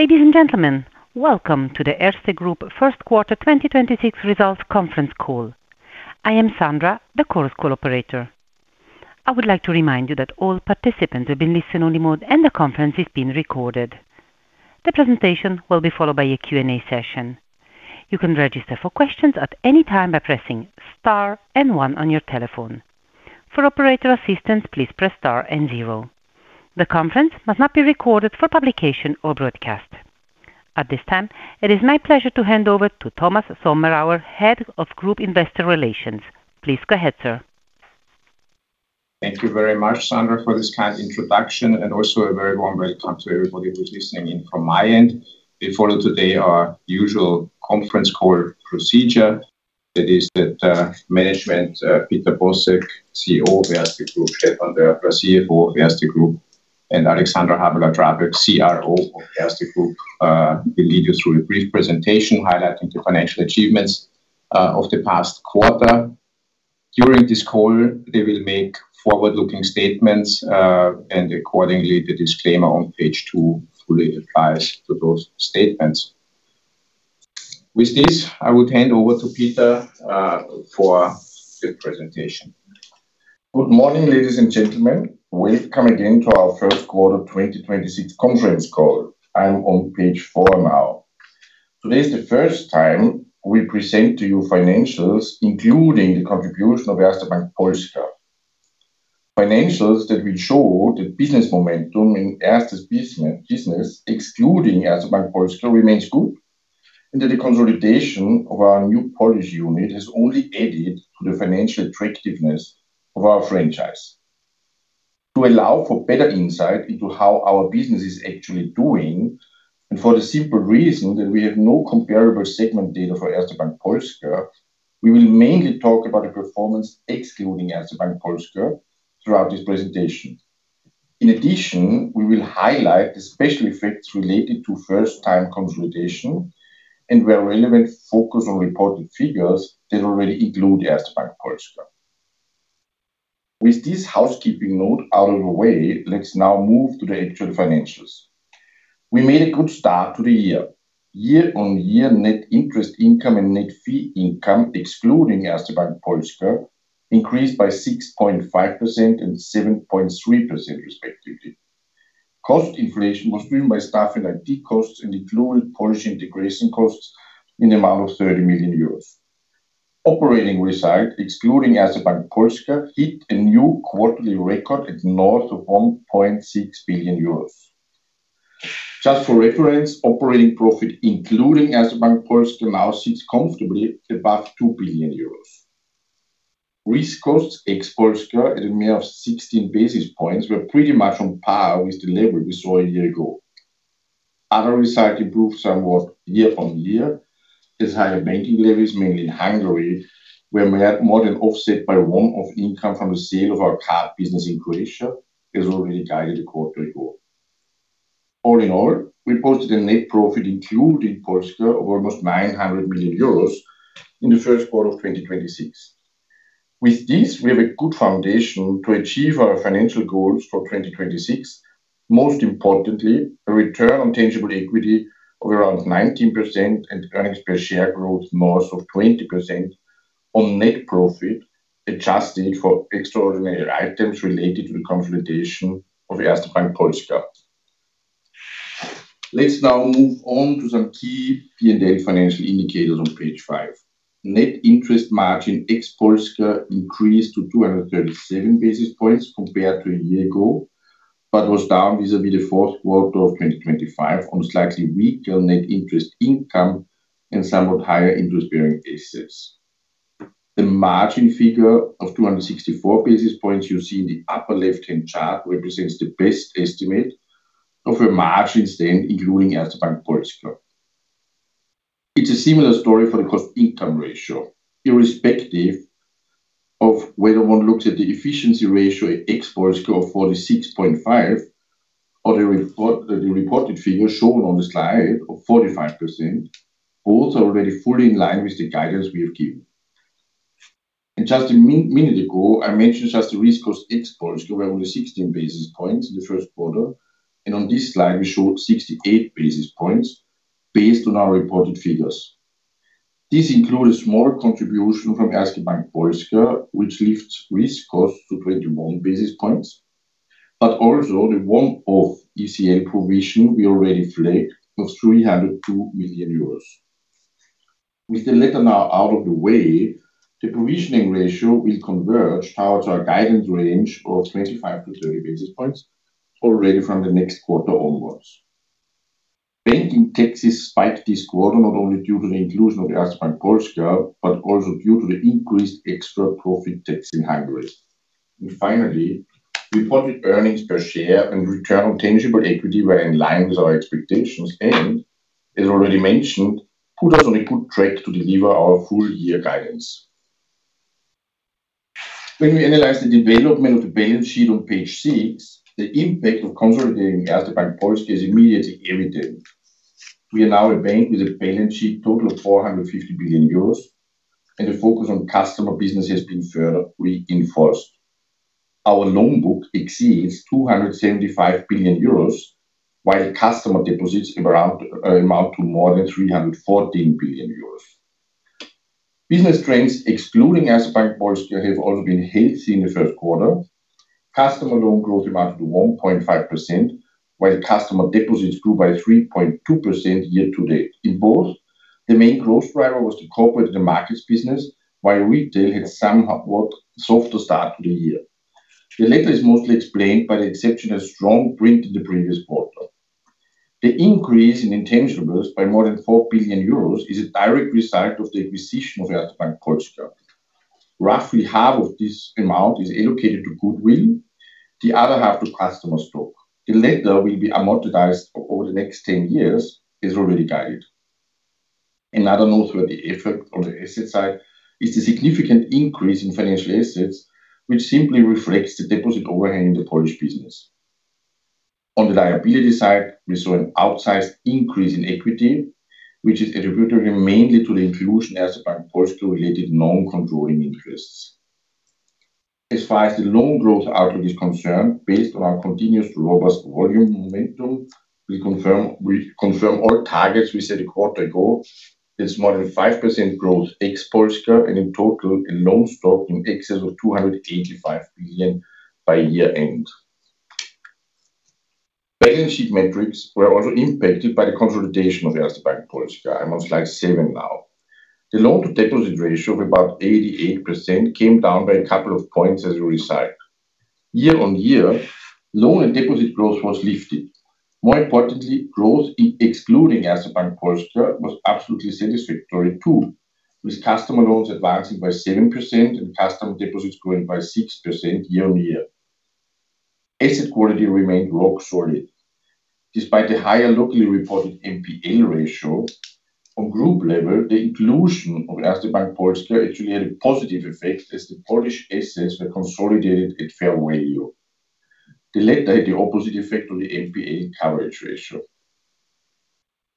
Ladies and gentlemen, welcome to the Erste Group first quarter 2026 results conference call. I am Sandra, the conference call operator. I would like to remind you that all participants have been listen-only mode, and the conference is being recorded. The presentation will be followed by a Q&A session. You can register for questions at any time by pressing star 1 on your telephone. For operator assistance, please press star 0. The conference must not be recorded for publication or broadcast. At this time, it is my pleasure to hand over to Thomas Sommerauer, Head of Group Investor Relations. Please go ahead, sir. Thank you very much, Sandra, for this kind introduction and also a very warm welcome to everybody who's listening in from my end. We follow today our usual conference call procedure. That is that management, Peter Bosek, CEO of Erste Group, Stefan Dörfler, CFO of Erste Group, and Alexandra Habeler-Drabek, CRO of Erste Group, will lead you through a brief presentation highlighting the financial achievements of the past quarter. During this call, they will make forward-looking statements, and accordingly, the disclaimer on page two fully applies to those statements. With this, I would hand over to Peter for the presentation. Good morning, ladies and gentlemen. Welcome again to our first quarter 2026 conference call. I'm on page four now. Today is the first time we present to you financials, including the contribution of Erste Bank Polska. Financials that will show the business momentum in Erste's business, excluding Erste Bank Polska remains good, and that the consolidation of our new Polish unit has only added to the financial attractiveness of our franchise. To allow for better insight into how our business is actually doing, and for the simple reason that we have no comparable segment data for Erste Bank Polska, we will mainly talk about the performance excluding Erste Bank Polska throughout this presentation. In addition, we will highlight the special effects related to first-time consolidation and where relevant focus on reported figures that already include Erste Bank Polska. With this housekeeping note out of the way, let's now move to the actual financials. We made a good start to the year. Year-on-year net interest income and net fee income, excluding Erste Bank Polska, increased by 6.5% and 7.3% respectively. Cost inflation was driven by staff and IT costs and included Polish integration costs in the amount of 30 million euros. Operating result, excluding Erste Bank Polska, hit a new quarterly record at north of 1.6 billion euros. Just for reference, operating profit, including Erste Bank Polska, now sits comfortably above 2 billion euros. Risk costs ex-Polska at a mere of 16 basis points were pretty much on par with the level we saw a year ago. Other results improved somewhat year-over-year as higher banking levels, mainly in Hungary, were more than offset by one-off income from the sale of our card business in Croatia, as already guided a quarter ago. All in all, we posted a net profit including Polska of almost 900 million euros in the first quarter of 2026. With this, we have a good foundation to achieve our financial goals for 2026. Most importantly, a return on tangible equity of around 19% and earnings per share growth north of 20% on net profit, adjusted for extraordinary items related to the consolidation of Erste Bank Polska. Let's now move on to some key P&L financial indicators on page five. Net interest margin ex Polska increased to 237 basis points compared to a year ago, but was down vis-à-vis the fourth quarter of 2025 on slightly weaker net interest income and somewhat higher interest-bearing assets. The margin figure of 264 basis points you see in the upper left-hand chart represents the best estimate of a margin stand including Erste Bank Polska. It's a similar story for the cost-income ratio. Irrespective of whether one looks at the efficiency ratio ex Polska of 46.5 or the report, the reported figure shown on the slide of 45%, both are already fully in line with the guidance we have given. Just a minute ago, I mentioned just the risk cost ex-Polska were only 16 basis points in the first quarter, and on this slide we showed 68 basis points based on our reported figures. This includes more contribution from Erste Bank Polska, which lifts risk costs to 21 basis points, but also the one-off ECL provision we already flagged of 302 million euros. With the latter now out of the way, the provisioning ratio will converge towards our guidance range of 25-30 basis points already from the next quarter onwards. Banking taxes spiked this quarter, not only due to the inclusion of Erste Bank Polska, but also due to the increased extra profit tax in Hungary. Finally, reported earnings per share and return on tangible equity were in line with our expectations and, as already mentioned, put us on a good track to deliver our full year guidance. When we analyze the development of the balance sheet on page six, the impact of consolidating Erste Bank Polska is immediately evident. We are now a bank with a balance sheet total of 450 billion euros, and the focus on customer business has been further reinforced. Our loan book exceeds 275 billion euros, while customer deposits amount to more than 314 billion euros. Business strengths, excluding Erste Bank Polska have also been healthy in the first quarter. Customer loan growth amounted to 1.5%, while customer deposits grew by 3.2% year to date. In both, the main growth driver was the corporate and the markets business, while retail had somewhat softer start to the year. The latter is mostly explained by the exceptionally strong print in the previous quarter. The increase in intangibles by more than 4 billion euros is a direct result of the acquisition of Erste Bank Polska. Roughly half of this amount is allocated to goodwill, the other half to customer stock. The latter will be amortized over the next 10 years, as already guided. Another noteworthy effect on the asset side is the significant increase in financial assets, which simply reflects the deposit overhang in the Polish business. On the liability side, we saw an outsized increase in equity, which is attributable mainly to the inclusion of Erste Bank Polska related non-controlling interests. As far as the loan growth outlook is concerned, based on our continuous robust volume momentum, we confirm all targets we set a quarter ago. It's more than 5% growth ex Polska, and in total a loan stock in excess of 285 billion by year-end. Balance sheet metrics were also impacted by the consolidation of Erste Bank Polska. I'm on slide seven now. The loan to deposit ratio of about 88% came down by a couple of points as a result. Year-on-year, loan and deposit growth was lifted. More importantly, growth in excluding Erste Bank Polska was absolutely satisfactory too, with customer loans advancing by 7% and customer deposits growing by 6% year-on-year. Asset quality remained rock solid despite the higher locally reported NPA ratio. On group level, the inclusion of Erste Bank Polska actually had a positive effect as the Polish assets were consolidated at fair value. The latter had the opposite effect on the NPA coverage ratio.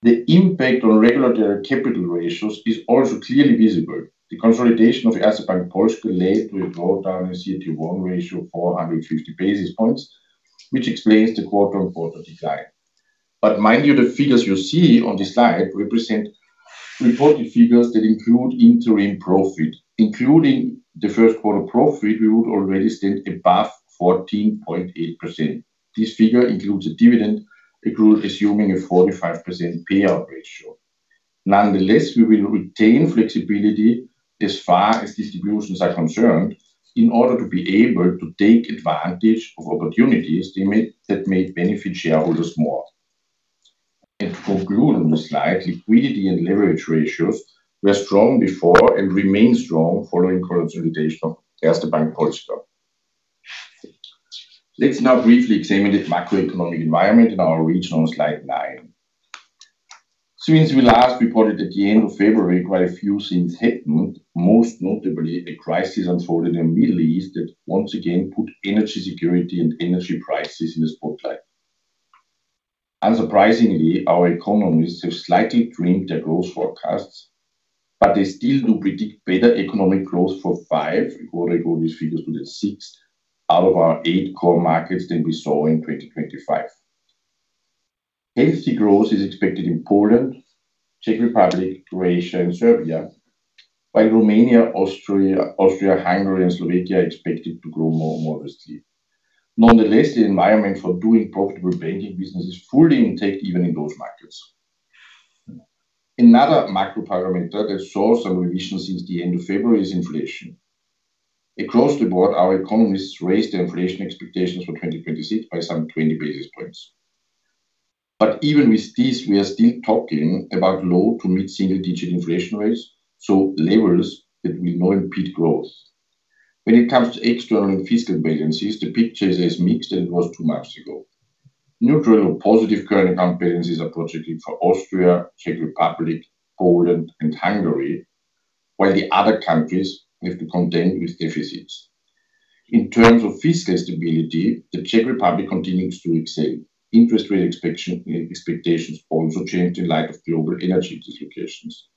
The impact on regulatory capital ratios is also clearly visible. The consolidation of Erste Bank Polska led to a drawdown in CET1 ratio of 450 basis points, which explains the quarter-on-quarter decline. Mind you, the figures you see on this slide represent reported figures that include interim profit. Including the first quarter profit, we would already stand above 14.8%. This figure includes a dividend accrual assuming a 45% payout ratio. Nonetheless, we will retain flexibility as far as distributions are concerned in order to be able to take advantage of opportunities that may benefit shareholders more. To conclude on this slide, liquidity and leverage ratios were strong before and remain strong following consolidation of Erste Bank Polska. Let's now briefly examine the macroeconomic environment in our region on slide nine. Since we last reported at the end of February, quite a few things happened, most notably a crisis unfolded in the Middle East that once again put energy security and energy prices in the spotlight. Unsurprisingly, our economists have slightly trimmed their growth forecasts, but they still do predict better economic growth for five, a quarter ago these figures were at six, out of our eight core markets than we saw in 2025. Healthy growth is expected in Poland, Czech Republic, Croatia, and Serbia. While Romania, Austria, Hungary, and Slovakia are expected to grow more modestly. Nonetheless, the environment for doing profitable banking business is fully intact even in those markets. Another macro parameter that saw some revision since the end of February is inflation. Across the board, our economists raised their inflation expectations for 2026 by some 20 basis points. Even with this, we are still talking about low to mid-single digit inflation rates, so levels that will not impede growth. When it comes to external and fiscal balances, the picture is as mixed as it was two months ago. Neutral or positive current account balances are projected for Austria, Czech Republic, Poland, and Hungary, while the other countries have to contend with deficits. In terms of fiscal stability, the Czech Republic continues to excel. Interest rate expectations also changed in light of global energy dislocations.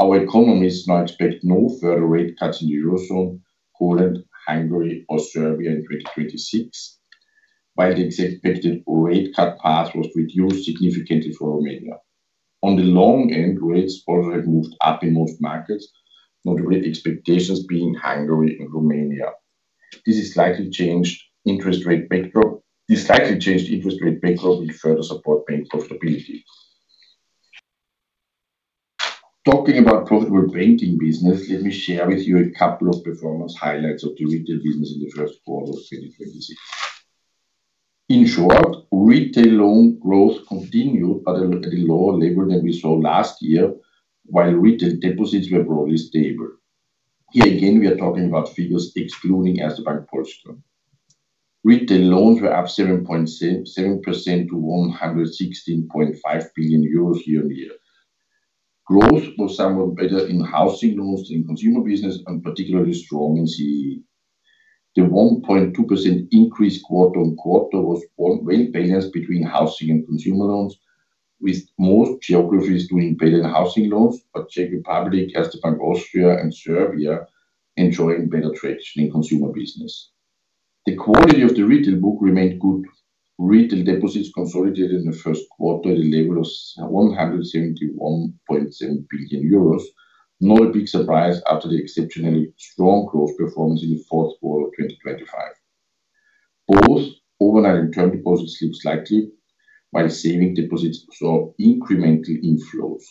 Our economists now expect no further rate cuts in the Eurozone, Poland, Hungary or Serbia in 2026, while the expected rate cut path was reduced significantly for Romania. On the long end, rates also have moved up in most markets, notably expectations being Hungary and Romania. This is slightly changed interest rate backdrop. This slightly changed interest rate backdrop will further support bank profitability. Talking about profitable banking business, let me share with you a couple of performance highlights of the retail business in the first quarter of 2026. In short, retail loan growth continued at a lower level than we saw last year, while retail deposits were broadly stable. Here again, we are talking about figures excluding Erste Bank Polska. Retail loans were up 7.77% to 116.5 billion euros year-on-year. Growth was somewhat better in housing loans than consumer business, and particularly strong in CEE. The 1.2% increase quarter-on-quarter was well balanced between housing and consumer loans. With most geographies doing better in housing loans, but Czech Republic, Erste Bank Austria and Serbia enjoying better trades in consumer business. The quality of the retail book remained good. Retail deposits consolidated in the first quarter at a level of 171.7 billion euros. Not a big surprise after the exceptionally strong growth performance in the fourth quarter of 2025. Both overnight and term deposits slipped slightly, while saving deposits saw incremental inflows.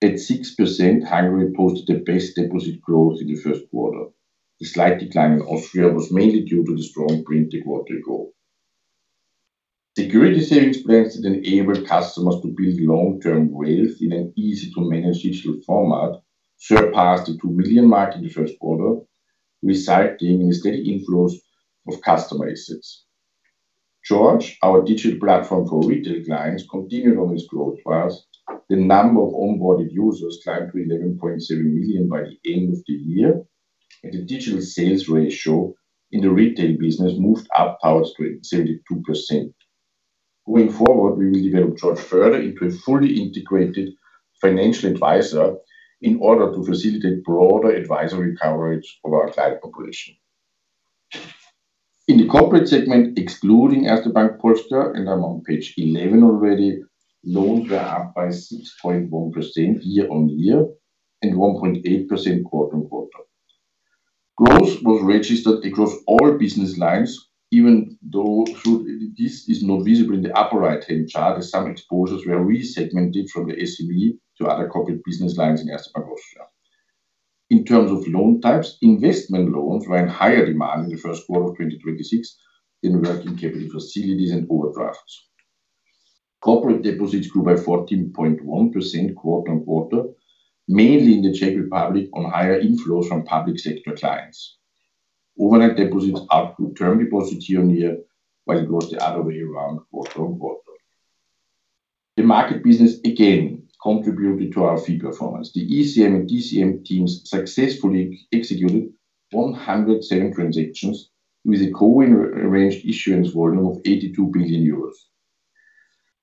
At 6%, Hungary posted the best deposit growth in the first quarter. The slight decline in Austria was mainly due to the strong print a quarter ago. Security savings plans that enable customers to build long-term wealth in an easy-to-manage digital format surpassed the 2 million mark in the first quarter, resulting in steady inflows of customer assets. George, our digital platform for retail clients, continued on its growth path. The number of onboarded users climbed to 11.7 million by the end of the year, and the digital sales ratio in the retail business moved upwards to 72%. Going forward, we will develop George further into a fully integrated financial advisor in order to facilitate broader advisory coverage of our client population. In the corporate segment, excluding Erste Bank Polska, and I'm on page 11 already, loans were up by 6.1% year-on-year and 1.8% quarter-on-quarter. Growth was registered across all business lines, even though this is not visible in the upper right-hand chart, as some exposures were re-segmented from the SEB to other corporate business lines in Erste Bank Austria. In terms of loan types, investment loans were in higher demand in the first quarter of 2026 than working capital facilities and overdrafts. Corporate deposits grew by 14.1% quarter-on-quarter, mainly in the Czech Republic on higher inflows from public sector clients. Overnight deposits outgrew term deposits year-on-year, while it goes the other way around quarter-on-quarter. The market business again contributed to our fee performance. The ECM and DCM teams successfully executed 107 transactions with a co-arranged issuance volume of 82 billion euros.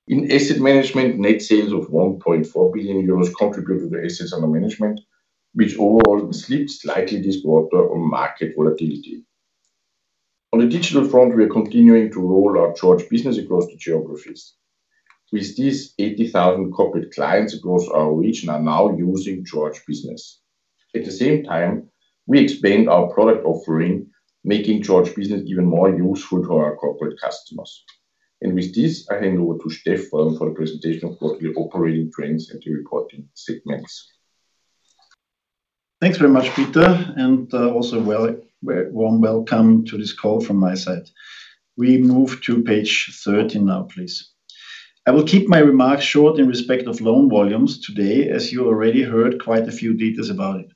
In asset management, net sales of 1.4 billion euros contributed to Assets Under Management, which overall slipped slightly this quarter on market volatility. On the digital front, we are continuing to roll out George Business across the geographies. With this, 80,000 corporate clients across our region are now using George Business. At the same time, we expand our product offering, making George Business even more useful to our corporate customers. With this, I hand over to Stefan for the presentation of quarterly operating trends and the reporting segments. Thanks very much, Peter, and also warm welcome to this call from my side. We move to page 13 now, please. I will keep my remarks short in respect of loan volumes today, as you already heard quite a few details about it.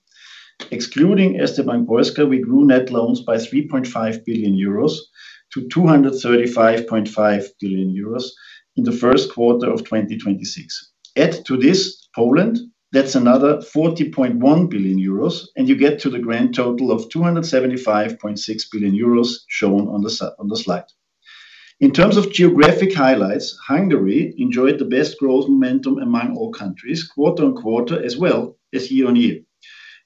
Excluding Erste Bank Polska, we grew net loans by 3.5 billion euros to 235.5 billion euros in the first quarter of 2026. Add to this Poland, that's another 40.1 billion euros, and you get to the grand total of 275.6 billion euros shown on the slide. In terms of geographic highlights, Hungary enjoyed the best growth momentum among all countries quarter-on-quarter as well as year-on-year.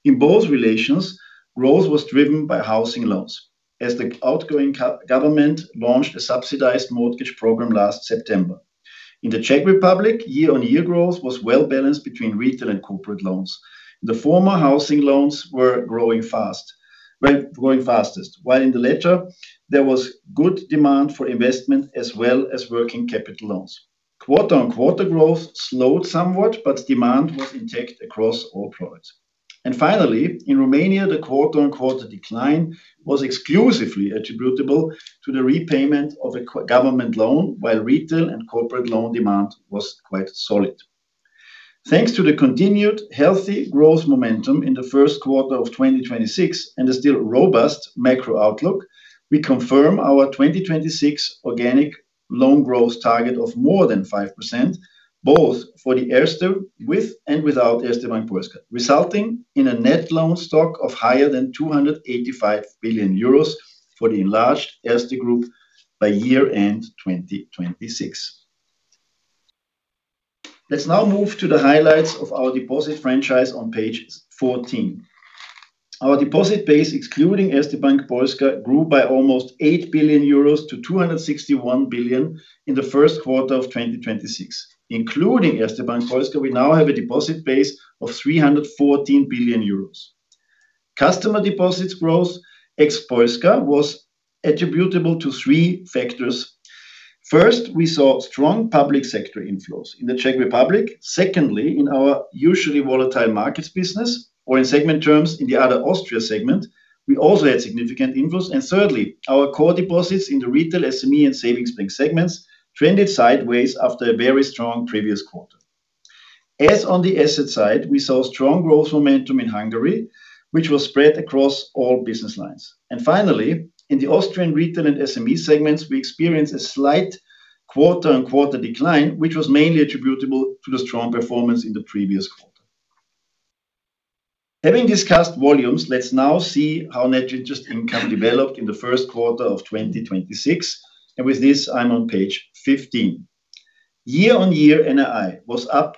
In both relations, growth was driven by housing loans, as the outgoing co-government launched a subsidized mortgage program last September. In the Czech Republic, year-on-year growth was well-balanced between retail and corporate loans. The former housing loans were growing fastest. While in the latter, there was good demand for investment as well as working capital loans. Quarter-on-quarter growth slowed somewhat, Demand was intact across all products. Finally, in Romania, the quarter-on-quarter decline was exclusively attributable to the repayment of a co-government loan, while retail and corporate loan demand was quite solid. Thanks to the continued healthy growth momentum in the first quarter of 2026 and a still robust macro outlook, we confirm our 2026 organic loan growth target of more than 5%, both for the Erste with and without Erste Bank Polska, resulting in a net loan stock of higher than 285 billion euros for the enlarged Erste Group by year-end 2026. Let's now move to the highlights of our deposit franchise on page 14. Our deposit base, excluding Erste Bank Polska, grew by almost 8 billion euros to 261 billion in the first quarter of 2026. Including Erste Bank Polska, we now have a deposit base of 314 billion euros. Customer deposits growth ex-Polska was attributable to three factors. First, we saw strong public sector inflows in the Czech Republic. Secondly, in our usually volatile markets business, or in segment terms, in the other Austria segment, we also had significant inflows. Thirdly, our core deposits in the retail, SME and savings bank segments trended sideways after a very strong previous quarter. As on the asset side, we saw strong growth momentum in Hungary, which was spread across all business lines. Finally, in the Austrian retail and SME segments, we experienced a slight quarter-on-quarter decline, which was mainly attributable to the strong performance in the previous quarter. Having discussed volumes, let's now see how Net interest income developed in the first quarter of 2026. With this, I'm on page 15. Year-over-year NII was up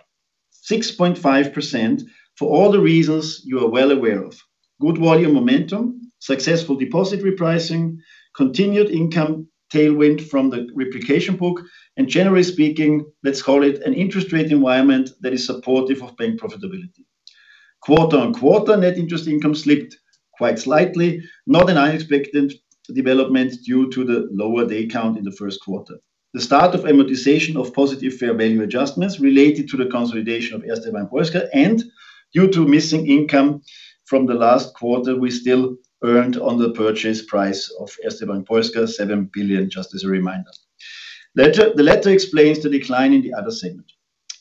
6.5% for all the reasons you are well aware of. Good volume momentum, successful deposit repricing, continued income tailwind from the replication book, and generally speaking, let's call it an interest rate environment that is supportive of bank profitability. Quarter-on-quarter, net interest income slipped quite slightly, not an unexpected development due to the lower day count in the 1st quarter. The start of amortization of positive fair value adjustments related to the consolidation of Erste Bank Polska and due to missing income from the last quarter we still earned on the purchase price of Erste Bank Polska, 7 billion just as a reminder. The letter explains the decline in the other segment.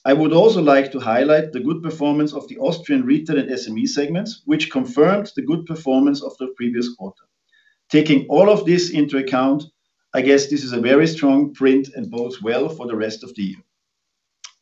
I would also like to highlight the good performance of the Austrian retail and SME segments, which confirmed the good performance of the previous quarter. Taking all of this into account, I guess this is a very strong print and bodes well for the rest of the year.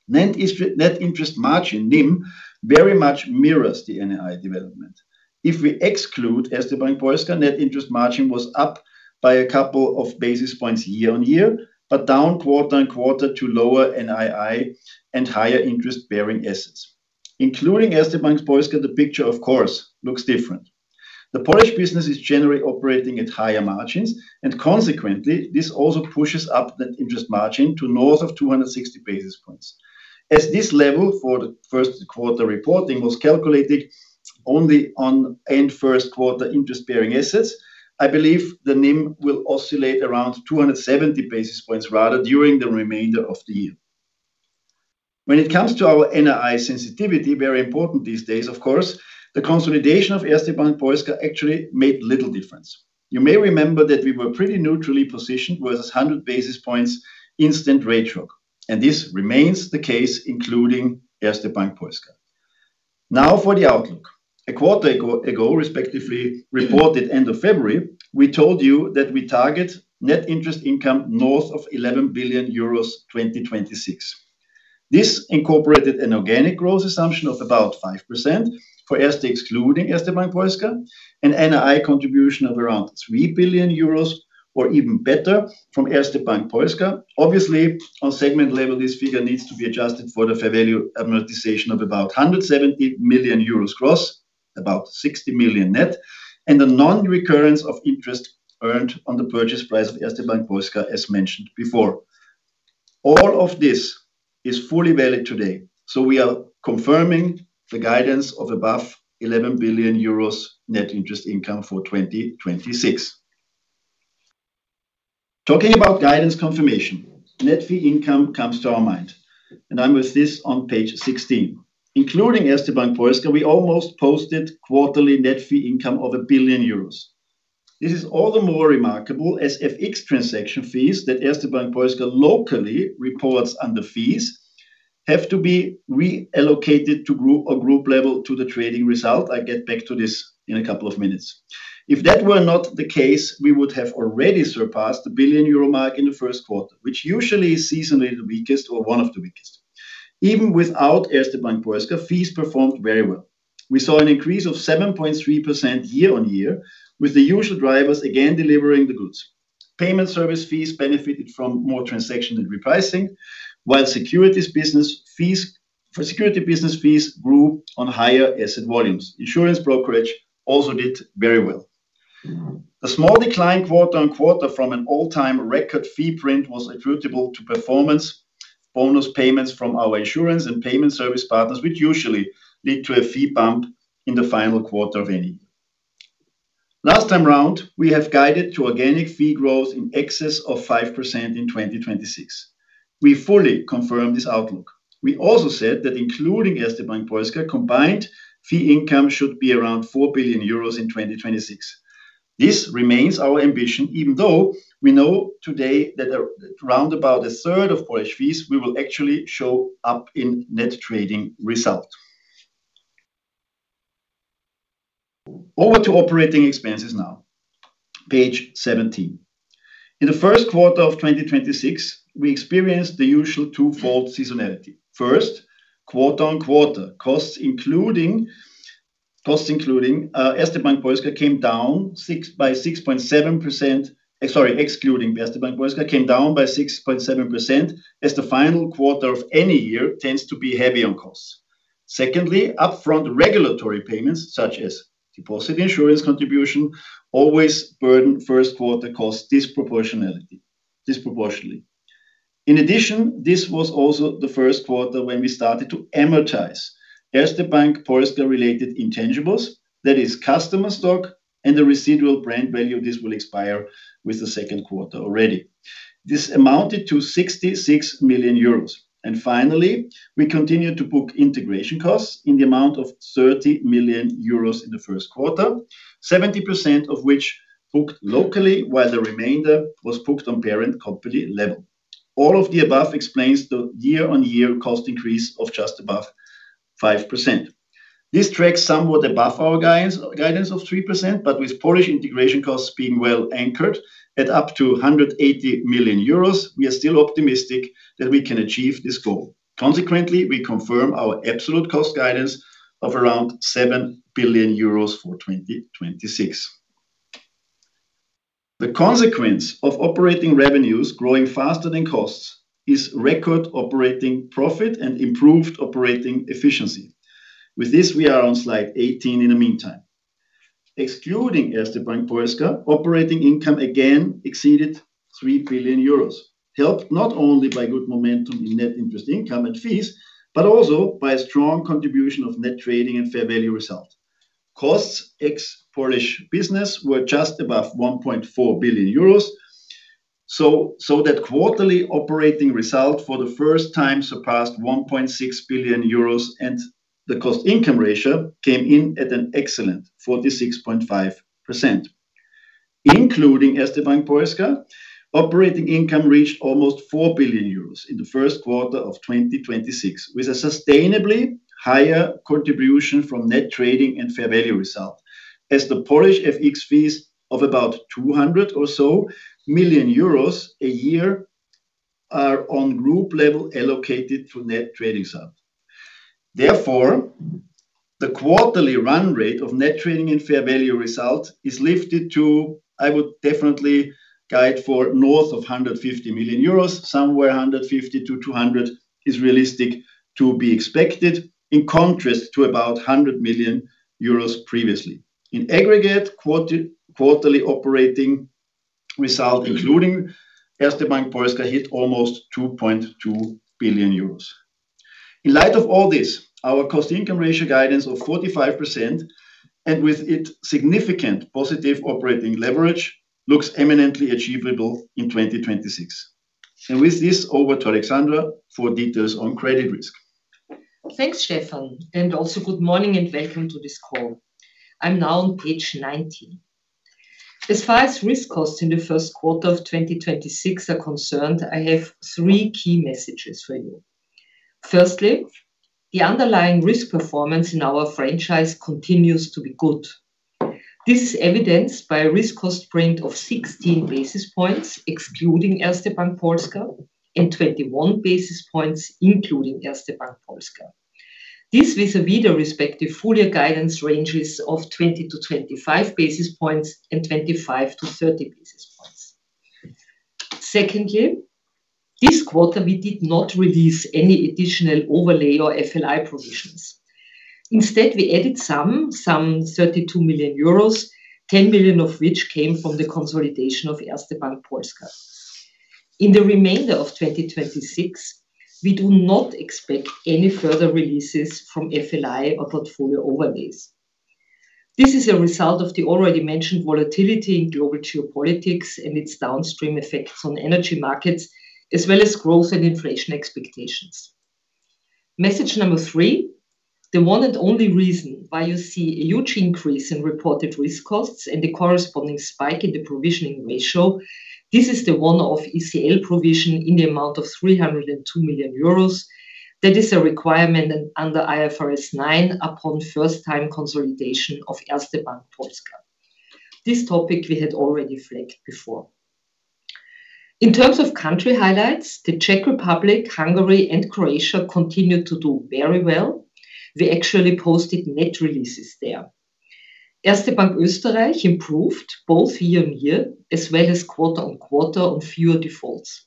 Net interest margin, NIM, very much mirrors the NII development. If we exclude Erste Bank Polska, Net interest margin was up by 2 basis points year-on-year, but down quarter-on-quarter to lower NII and higher interest-bearing assets. Including Erste Bank Polska, the picture of course looks different. The Polish business is generally operating at higher margins, consequently, this also pushes up Net interest margin to north of 260 basis points. As this level for the first quarter reporting was calculated only on end first quarter interest-bearing assets, I believe the NIM will oscillate around 270 basis points rather during the remainder of the year. When it comes to our NII sensitivity, very important these days of course, the consolidation of Erste Bank Polska actually made little difference. You may remember that we were pretty neutrally positioned versus 100 basis points instant rate shock, and this remains the case including Erste Bank Polska. For the outlook. A quarter ago, respectively reported end of February, we told you that we target Net interest income north of 11 billion euros 2026. This incorporated an organic growth assumption of about 5% for Erste excluding Erste Bank Polska, an NII contribution of around 3 billion euros, or even better from Erste Bank Polska. Obviously, on segment level, this figure needs to be adjusted for the fair value amortization of about 170 million euros gross, about 60 million net, and the non-recurrence of interest earned on the purchase price of Erste Bank Polska as mentioned before. All of this is fully valid today, we are confirming the guidance of above 11 billion euros Net interest income for 2026. Talking about guidance confirmation, Net fee income comes to our mind, I'm with this on page 16. Including Erste Bank Polska, we almost posted quarterly Net fee income of 1 billion euros. This is all the more remarkable as FX transaction fees that Erste Bank Polska locally reports under fees have to be reallocated to group level to the trading result. I get back to this in a couple of minutes. If that were not the case, we would have already surpassed the 1 billion euro mark in the first quarter, which usually is seasonally the weakest or one of the weakest. Even without Erste Bank Polska, fees performed very well. We saw an increase of 7.3% year-on-year, with the usual drivers again delivering the goods. Payment service fees benefited from more transaction and repricing, while security business fees grew on higher asset volumes. Insurance brokerage also did very well. A small decline quarter-on-quarter from an all-time record fee print was attributable to performance bonus payments from our insurance and payment service partners, which usually lead to a fee bump in the final quarter of any. Last time round, we have guided to organic fee growth in excess of 5% in 2026. We fully confirm this outlook. We also said that including Erste Bank Polska, combined fee income should be around 4 billion euros in 2026. This remains our ambition, even though we know today that around about a third of Polish fees will actually show up in net trading result. Over to operating expenses now, page 17. In the first quarter of 2026, we experienced the usual twofold seasonality. First, quarter-on-quarter, costs including Erste Bank Polska came down by 6.7%, sorry, excluding Erste Bank Polska came down by 6.7% as the final quarter of any year tends to be heavy on costs. Secondly, upfront regulatory payments, such as deposit insurance contribution, always burden first quarter costs disproportionately. In addition, this was also the first quarter when we started to amortize Erste Bank Polska related intangibles, that is customer stock and the residual brand value. This will expire with the second quarter already. This amounted to 66 million euros. Finally, we continued to book integration costs in the amount of 30 million euros in the first quarter, 70% of which booked locally, while the remainder was booked on parent company level. All of the above explains the year-on-year cost increase of just above 5%. This tracks somewhat above our guidance of 3%, with Polish integration costs being well anchored at up to 180 million euros, we are still optimistic that we can achieve this goal. Consequently, we confirm our absolute cost guidance of around 7 billion euros for 2026. The consequence of operating revenues growing faster than costs is record operating profit and improved operating efficiency. With this, we are on slide 18 in the meantime. Excluding Erste Bank Polska, operating income again exceeded 3 billion euros, helped not only by good momentum in net interest income and fees, but also by a strong contribution of net trading and fair value result. Costs ex Polish business were just above 1.4 billion euros. That quarterly operating result for the first time surpassed 1.6 billion euros, and the cost-income ratio came in at an excellent 46.5%. Including Erste Bank Polska, operating income reached almost 4 billion euros in the first quarter of 2026, with a sustainably higher contribution from Net trading and fair value result as the Polish FX fees of about 200 million or so a year are on Group level allocated to Net trading side. Therefore, the quarterly run rate of Net trading and fair value result is lifted to, I would definitely guide for north of 150 million euros. Somewhere 150-200 is realistic to be expected, in contrast to about 100 million euros previously. In aggregate, quarterly Operating result, including Erste Bank Polska, hit almost 2.2 billion euros. In light of all this, our cost-income ratio guidance of 45%, and with it significant positive operating leverage, looks eminently achievable in 2026. With this, over to Alexandra for details on credit risk. Thanks, Stefan. Also good morning and welcome to this call. I'm now on page 19. As far as risk costs in the 1st quarter of 2026 are concerned, I have 3 key messages for you. Firstly, the underlying risk performance in our franchise continues to be good. This is evidenced by a risk cost trend of 16 basis points excluding Erste Bank Polska, and 21 basis points including Erste Bank Polska. This vis-à-vis the respective full year guidance ranges of 20-25 basis points and 25-30 basis points. Secondly, this quarter we did not release any additional overlay or FLI provisions. Instead, we added some 32 million euros, 10 million of which came from the consolidation of Erste Bank Polska. In the remainder of 2026, we do not expect any further releases from FLI or portfolio overlays. This is a result of the already mentioned volatility in global geopolitics and its downstream effects on energy markets, as well as growth and inflation expectations. Message number three, the one and only reason why you see a huge increase in reported risk costs and the corresponding spike in the provisioning ratio, this is the one-off ECL provision in the amount of 302 million euros that is a requirement under IFRS 9 upon first time consolidation of Erste Bank Polska. This topic we had already flagged before. In terms of country highlights, the Czech Republic, Hungary, and Croatia continued to do very well. We actually posted net releases there. Erste Bank Österreich improved both year-on-year as well as quarter-on-quarter on fewer defaults.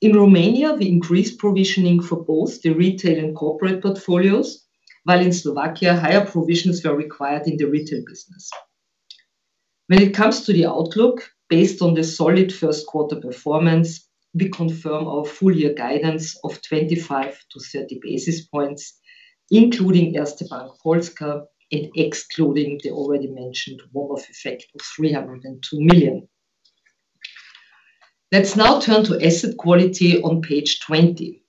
In Romania, we increased provisioning for both the retail and corporate portfolios, while in Slovakia, higher provisions were required in the retail business. When it comes to the outlook, based on the solid first quarter performance, we confirm our full year guidance of 25 to 30 basis points, including Erste Bank Polska and excluding the already mentioned one-off effect of 302 million. Let's now turn to asset quality on page 20.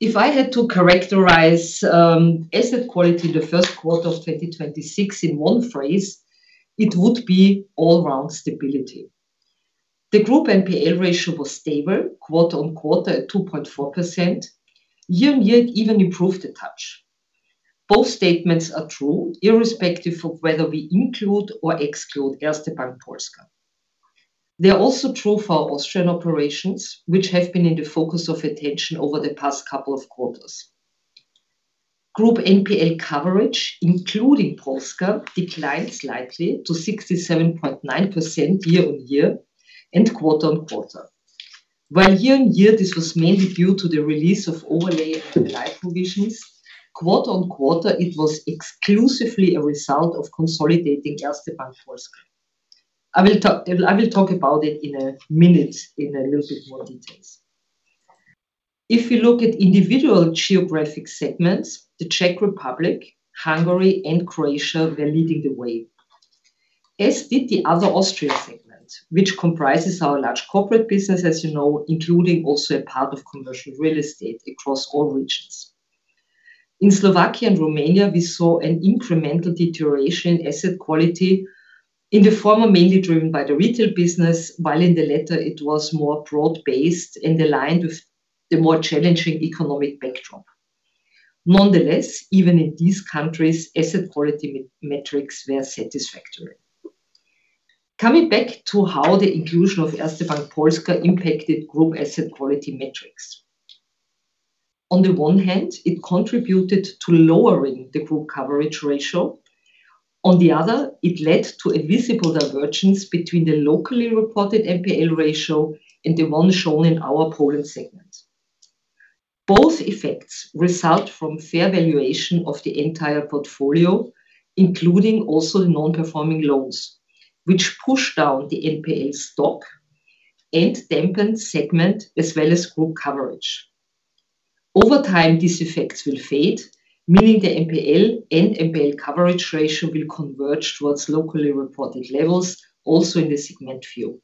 If I had to characterize asset quality in the first quarter of 2026 in one phrase, it would be all round stability. The group NPL ratio was stable quarter-on-quarter at 2.4%. Year-on-year it even improved a touch. Both statements are true irrespective of whether we include or exclude Erste Bank Polska. They are also true for our Austrian operations, which have been in the focus of attention over the past couple of quarters. Group NPL coverage, including Polska, declined slightly to 67.9% year-on-year and quarter-on-quarter. While year-on-year this was mainly due to the release of overlay and FLI provisions, quarter-on-quarter it was exclusively a result of consolidating Erste Bank Polska. I will talk about it in a minute in a little bit more details. If you look at individual geographic segments, the Czech Republic, Hungary, and Croatia were leading the way, as did the other Austria segment, which comprises our large corporate business, as you know, including also a part of commercial real estate across all regions. In Slovakia and Romania, we saw an incremental deterioration in asset quality, in the former mainly driven by the retail business, while in the latter it was more broad based and aligned with the more challenging economic backdrop. Nonetheless, even in these countries, asset quality metrics were satisfactory. Coming back to how the inclusion of Erste Bank Polska impacted group asset quality metrics. On the one hand, it contributed to lowering the group coverage ratio. On the other, it led to a visible divergence between the locally reported NPL ratio and the one shown in our Poland segment. Both effects result from fair valuation of the entire portfolio, including also non-performing loans, which push down the NPL stock and dampen segment as well as group coverage. Over time, these effects will fade, meaning the NPL and NPL coverage ratio will converge towards locally reported levels also in the segment view,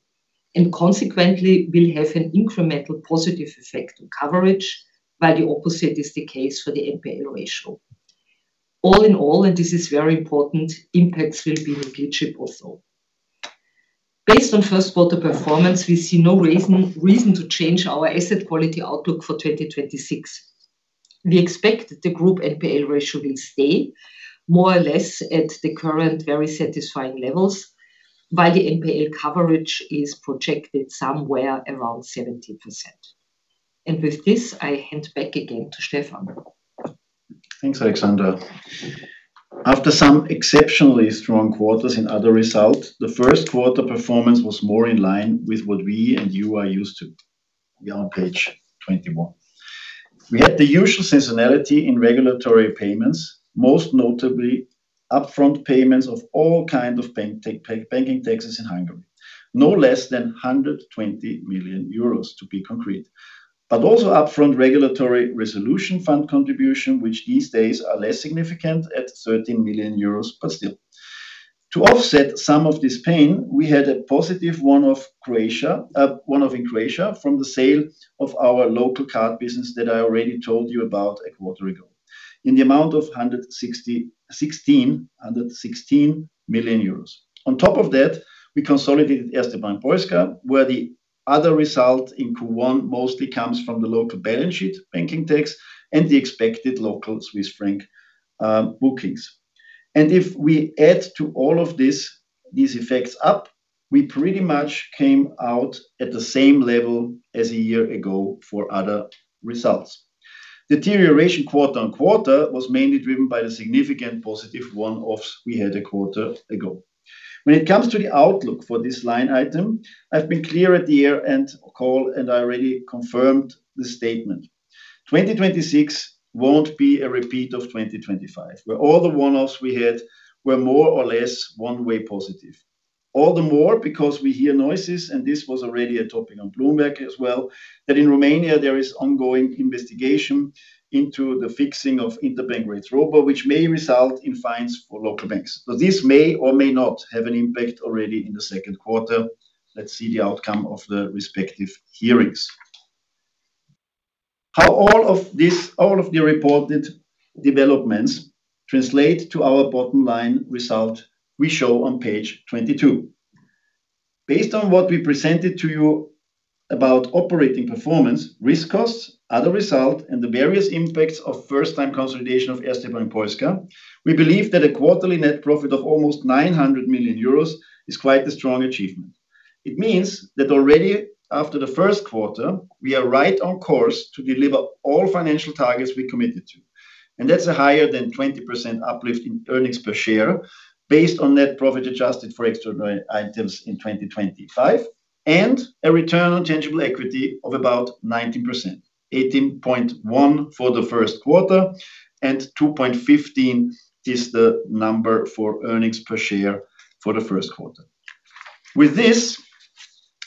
and consequently will have an incremental positive effect on coverage, while the opposite is the case for the NPL ratio. All in all, and this is very important, impacts will be negligible though. Based on 1st quarter performance, we see no reason to change our asset quality outlook for 2026. We expect the group NPL ratio will stay more or less at the current very satisfying levels, while the NPL coverage is projected somewhere around 70%. With this, I hand back again to Stefan. Thanks, Alexandra. After some exceptionally strong quarters in other results, the first quarter performance was more in line with what we and you are used to. We are on page 21. We had the usual seasonality in regulatory payments, most notably upfront payments of all kind of banking taxes in Hungary. No less than 120 million euros to be concrete. Also upfront regulatory resolution fund contribution, which these days are less significant at 13 million euros. To offset some of this pain, we had a positive one-off Croatia one-off in Croatia from the sale of our local card business that I already told you about a quarter ago, in the amount of 116 million euros. On top of that, we consolidated Erste Bank Polska, where the other result in Q1 mostly comes from the local balance sheet banking tax and the expected local Swiss franc bookings. If we add to all of this, these effects up, we pretty much came out at the same level as a year ago for other results. Deterioration quarter-on-quarter was mainly driven by the significant positive one-offs we had a quarter ago. When it comes to the outlook for this line item, I've been clear at the year-end call, and I already confirmed the statement. 2026 won't be a repeat of 2025, where all the one-offs we had were more or less one way positive. All the more because we hear noises, and this was already a topic on Bloomberg as well, that in Romania there is ongoing investigation into the fixing of interbank rates ROBOR, which may result in fines for local banks. This may or may not have an impact already in the second quarter. Let's see the outcome of the respective hearings. How all of this, all of the reported developments translate to our bottom line result we show on page 22. Based on what we presented to you about operating performance, risk costs, other result, and the various impacts of first-time consolidation of Erste Bank Polska, we believe that a quarterly net profit of almost 900 million euros is quite a strong achievement. It means that already after the first quarter, we are right on course to deliver all financial targets we committed to, and that's a higher than 20% uplift in earnings per share based on net profit adjusted for extraordinary items in 2025, and a return on tangible equity of about 19%, 18.1% for the first quarter, and 2.15 is the number for earnings per share for the first quarter. With this,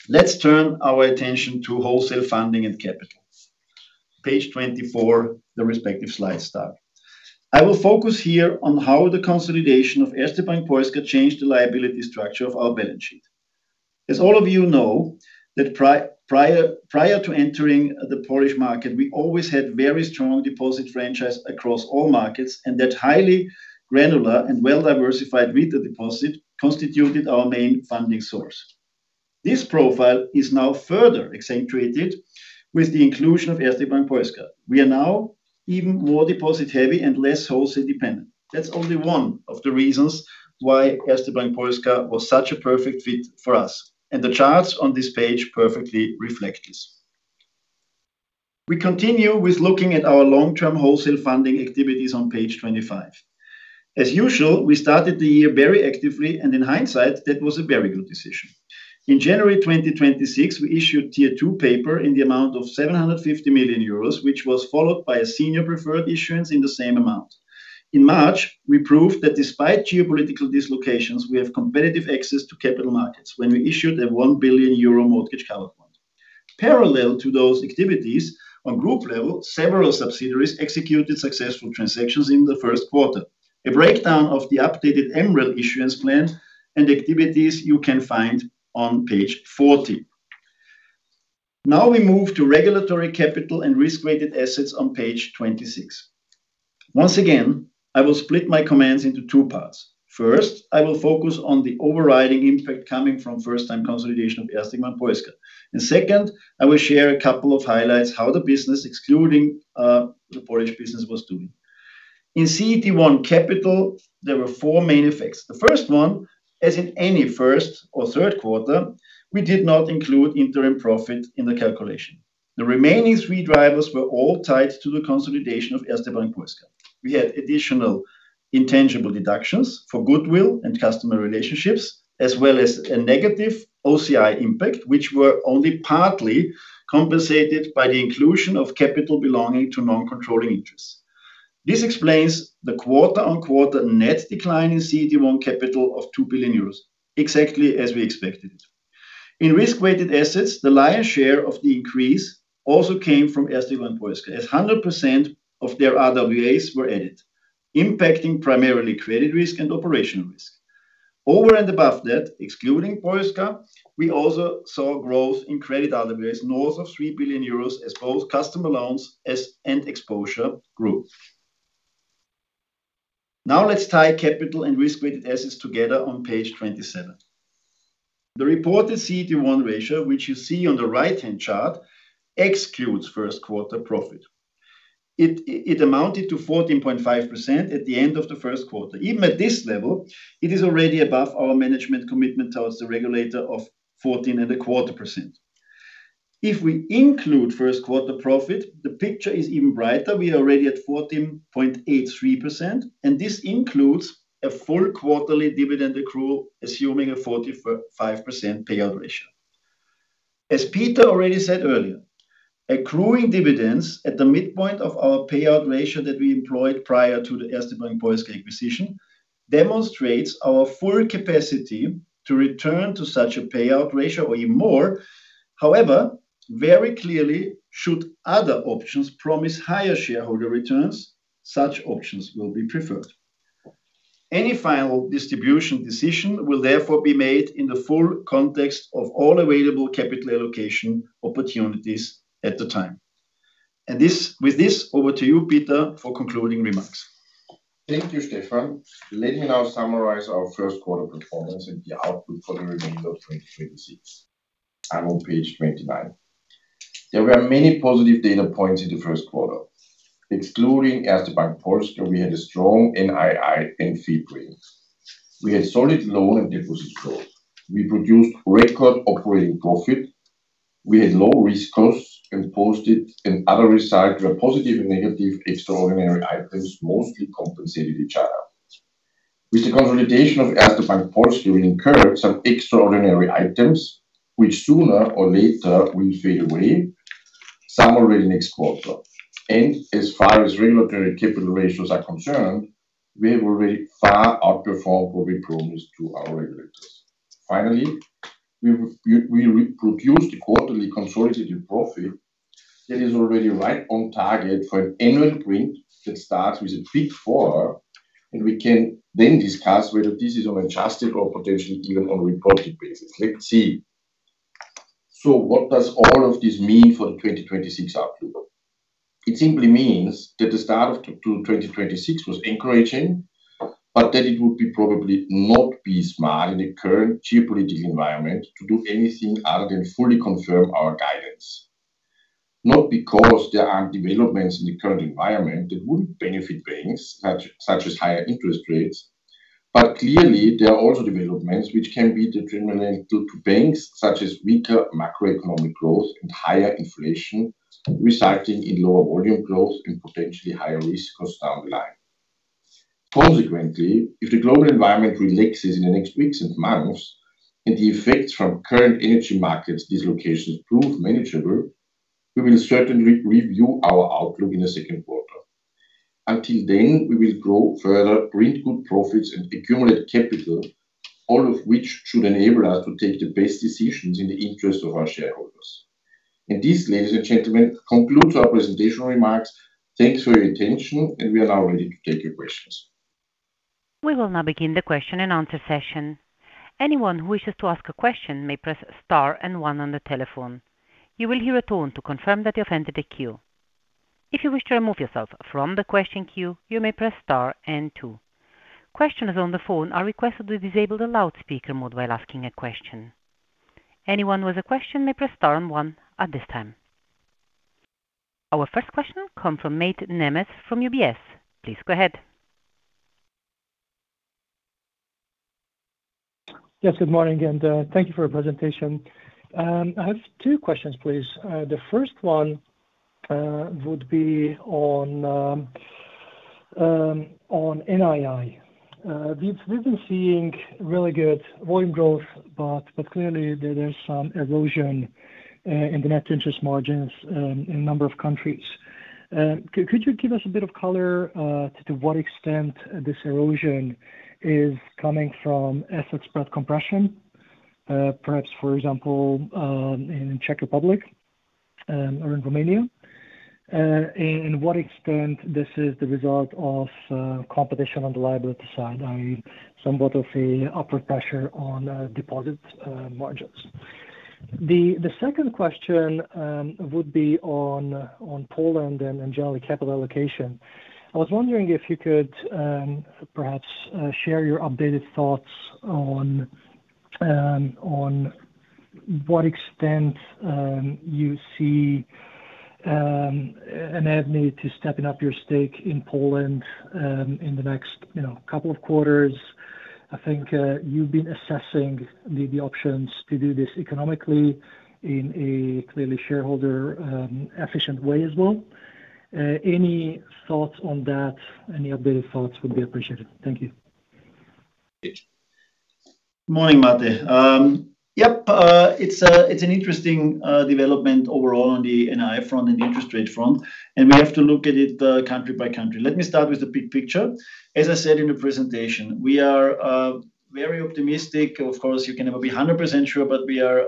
let's turn our attention to wholesale funding and capital. Page 24, the respective slides start. I will focus here on how the consolidation of Erste Bank Polska changed the liability structure of our balance sheet. As all of you know that prior to entering the Polish market, we always had very strong deposit franchise across all markets, and that highly granular and well-diversified retail deposit constituted our main funding source. This profile is now further accentuated with the inclusion of Erste Bank Polska. We are now even more deposit heavy and less wholesale dependent. That's only one of the reasons why Erste Bank Polska was such a perfect fit for us, and the charts on this page perfectly reflect this. We continue with looking at our long-term wholesale funding activities on page 25. As usual, we started the year very actively, and in hindsight, that was a very good decision. In January 2026, we issued Tier 2 paper in the amount of 750 million euros, which was followed by a senior preferred issuance in the same amount. In March, we proved that despite geopolitical dislocations, we have competitive access to capital markets when we issued a 1 billion euro mortgage covered bond. Parallel to those activities, on group level, several subsidiaries executed successful transactions in the first quarter. A breakdown of the updated MREL issuance plan and activities you can find on page 40. Now we move to regulatory capital and risk-weighted assets on page 26. Once again, I will split my comments into two parts. First, I will focus on the overriding impact coming from first time consolidation of Erste Bank Polska. Second, I will share a couple of highlights how the business excluding the Polish business was doing. In CET1 capital, there were four main effects. The first one, as in any first or third quarter, we did not include interim profit in the calculation. The remaining three drivers were all tied to the consolidation of Erste Bank Polska. We had additional intangible deductions for goodwill and customer relationships, as well as a negative OCI impact, which were only partly compensated by the inclusion of capital belonging to non-controlling interests. This explains the quarter-on-quarter net decline in CET1 capital of 2 billion euros, exactly as we expected it. In risk-weighted assets, the lion's share of the increase also came from Erste Bank Polska, as 100% of their RWAs were added, impacting primarily credit risk and operational risk. Over and above that, excluding Polska, we also saw growth in credit RWAs north of 3 billion euros as both customer loans and exposure grew. Let's tie capital and risk-weighted assets together on page 27. The reported CET1 ratio, which you see on the right-hand chart, excludes first quarter profit. It amounted to 14.5% at the end of the first quarter. Even at this level, it is already above our management commitment towards the regulator of 14.25%. If we include first quarter profit, the picture is even brighter. We are already at 14.83%, and this includes a full quarterly dividend accrual, assuming a 45% payout ratio. As Peter Bosek already said earlier, accruing dividends at the midpoint of our payout ratio that we employed prior to the Erste Bank Polska acquisition demonstrates our full capacity to return to such a payout ratio or even more. However, very clearly, should other options promise higher shareholder returns, such options will be preferred. Any final distribution decision will therefore be made in the full context of all available capital allocation opportunities at the time. With this, over to you, Peter Bosek, for concluding remarks. Thank you, Stefan. Let me now summarize our first quarter performance and the output for the remainder of 2026. I'm on page 29. There were many positive data points in the first quarter. Excluding Erste Bank Polska, we had a strong NII and fee growth. We had solid loan and deposit growth. We produced record operating profit. We had low risk costs and posted, and other results were positive and negative extraordinary items mostly compensated each other. With the consolidation of Erste Bank Polska, we incurred some extraordinary items which sooner or later will fade away, some already next quarter. As far as regulatory capital ratios are concerned, we have already far outperformed what we promised to our regulators. We produced a quarterly consolidated profit that is already right on target for an annual print that starts with a Big 4, and we can then discuss whether this is on adjusted or potentially even on a reported basis. Let's see. What does all of this mean for the 2026 outlook? It simply means that the start of 2026 was encouraging, but that it would be probably not be smart in the current geopolitical environment to do anything other than fully confirm our guidance. Not because there aren't developments in the current environment that wouldn't benefit banks, such as higher interest rates. Clearly, there are also developments which can be detrimental to banks, such as weaker macroeconomic growth and higher inflation, resulting in lower volume growth and potentially higher risk costs down the line. Consequently, if the global environment relaxes in the next weeks and months, and the effects from current energy markets dislocations prove manageable, we will certainly review our outlook in the second quarter. Until then, we will grow further, print good profits, and accumulate capital, all of which should enable us to take the best decisions in the interest of our shareholders. This, ladies and gentlemen, concludes our presentation remarks. Thanks for your attention, and we are now ready to take your questions. We will now begin the question and answer session. Anyone who wishes to ask a question may press star and one on the telephone. You will hear a tone to confirm that you have entered the queue. If you wish to remove yourself from the question queue, you may press star and two. Questioners on the phone are requested to disable the loudspeaker mode while asking a question. Anyone with a question may press star and one at this time. Our first question comes from Mate Nemes from UBS. Please go ahead. Yes, good morning, thank you for your presentation. I have two questions, please. The first one would be on NII. We've been seeing really good volume growth, but clearly there's some erosion in the net interest margins in a number of countries. Could you give us a bit of color to what extent this erosion is coming from asset spread compression? Perhaps, for example, in Czech Republic or in Romania. What extent this is the result of competition on the liability side, i.e., somewhat of a upward pressure on deposit margins. The second question would be on Poland and generally capital allocation. I was wondering if you could perhaps share your updated thoughts on what extent you see an avenue to stepping up your stake in Poland in the next, you know, couple of quarters. I think you've been assessing the options to do this economically in a clearly shareholder efficient way as well. Any thoughts on that? Any updated thoughts would be appreciated. Thank you. Morning, Mate. Yep, it's an interesting development overall on the NII front and the interest rate front. We have to look at it country by country. Let me start with the big picture. As I said in the presentation, we are very optimistic. Of course, you can never be 100% sure. We are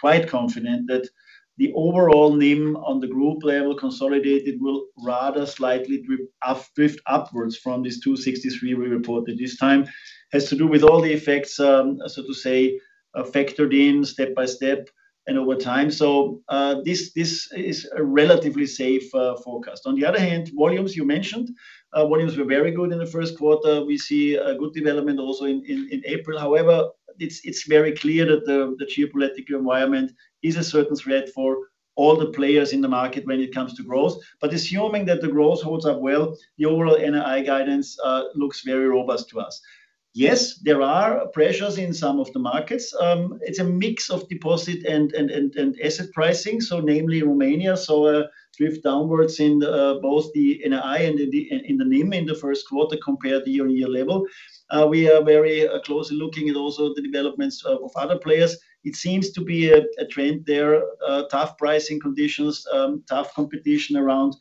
quite confident that the overall NIM on the group level consolidated will rather slightly drift upwards from this 2.63 we reported this time. Has to do with all the effects, so to say, factored in step by step and over time. This is a relatively safe forecast. On the other hand, volumes you mentioned, volumes were very good in the first quarter. We see a good development also in April. However, it's very clear that the geopolitical environment is a certain threat for all the players in the market when it comes to growth. Assuming that the growth holds up well, the overall NII guidance looks very robust to us. Yes, there are pressures in some of the markets. It's a mix of deposit and asset pricing, so namely Romania. A drift downwards in the both the NII and in the NIM in the first quarter compared to year-on-year level. We are very closely looking at also the developments of other players. It seems to be a trend there, tough pricing conditions, tough competition around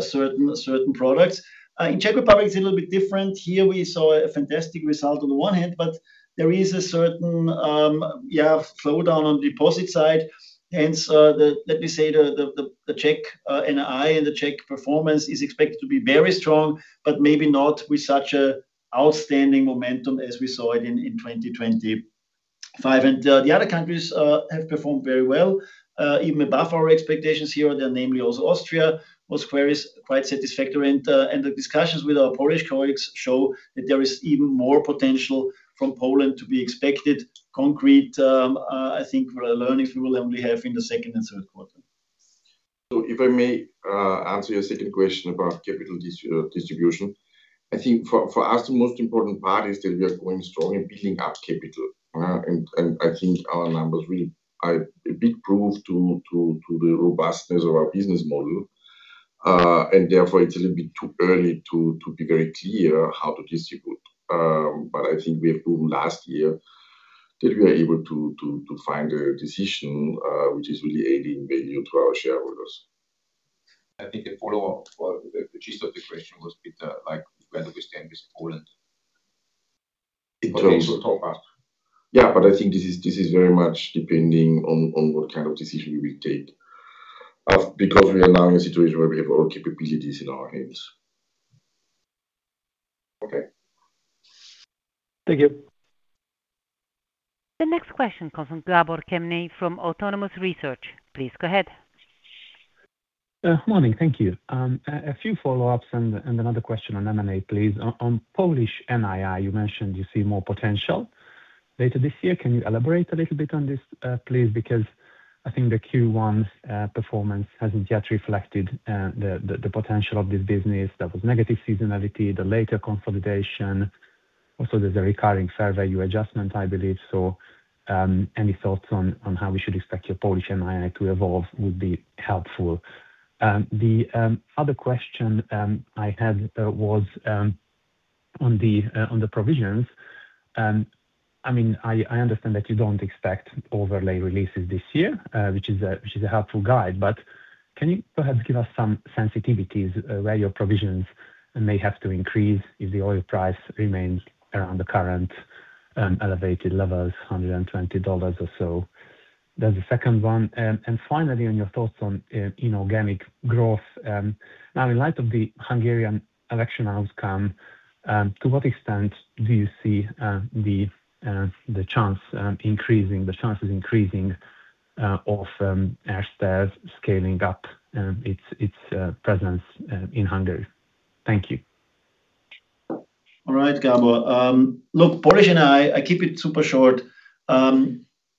certain products. In Czech Republic it's a little bit different. Here we saw a fantastic result on the one hand. There is a certain slowdown on deposit side. Hence, let me say the Czech NII and the Czech performance is expected to be very strong. Maybe not with such a outstanding momentum as we saw it in 2025. The other countries have performed very well, even above our expectations here. They're namely also Austria was quite satisfactory. The discussions with our Polish colleagues show that there is even more potential from Poland to be expected. Concrete, I think what learnings we will only have in the second and third quarter. If I may answer your second question about capital distribution. I think for us, the most important part is that we are going strong in building up capital. I think our numbers really are a big proof to the robustness of our business model. Therefore it's a little bit too early to be very clear how to distribute. I think we have proven last year that we are able to find a decision which is really adding value to our shareholders. I think a follow-up or the gist of the question was, Peter, like where do we stand with Poland? In terms- Okay. Stop us. Yeah, I think this is, this is very much depending on what kind of decision we take, because we are now in a situation where we have all capabilities in our hands. Okay. Thank you. The next question comes from Gabor Kemeny from Autonomous Research. Please go ahead. Morning. Thank you. A few follow-ups and another question on M&A, please. On Polish NII, you mentioned you see more potential later this year. Can you elaborate a little bit on this, please? I think the Q1's performance hasn't yet reflected the potential of this business. There was negative seasonality, the later consolidation. Also, there's a recurring fair value adjustment, I believe. Any thoughts on how we should expect your Polish NII to evolve would be helpful. The other question I had was on the provisions. I mean, I understand that you don't expect overlay releases this year, which is a helpful guide, but can you perhaps give us some sensitivities, where your provisions may have to increase if the oil price remains around the current elevated levels, $120 or so? That's the second one. Finally, on your thoughts on inorganic growth, now in light of the Hungarian election outcome, to what extent do you see the chance increasing, the chances increasing, of Erste scaling up its presence in Hungary? Thank you. All right, Gabor. Look, Polish NII, I keep it super short.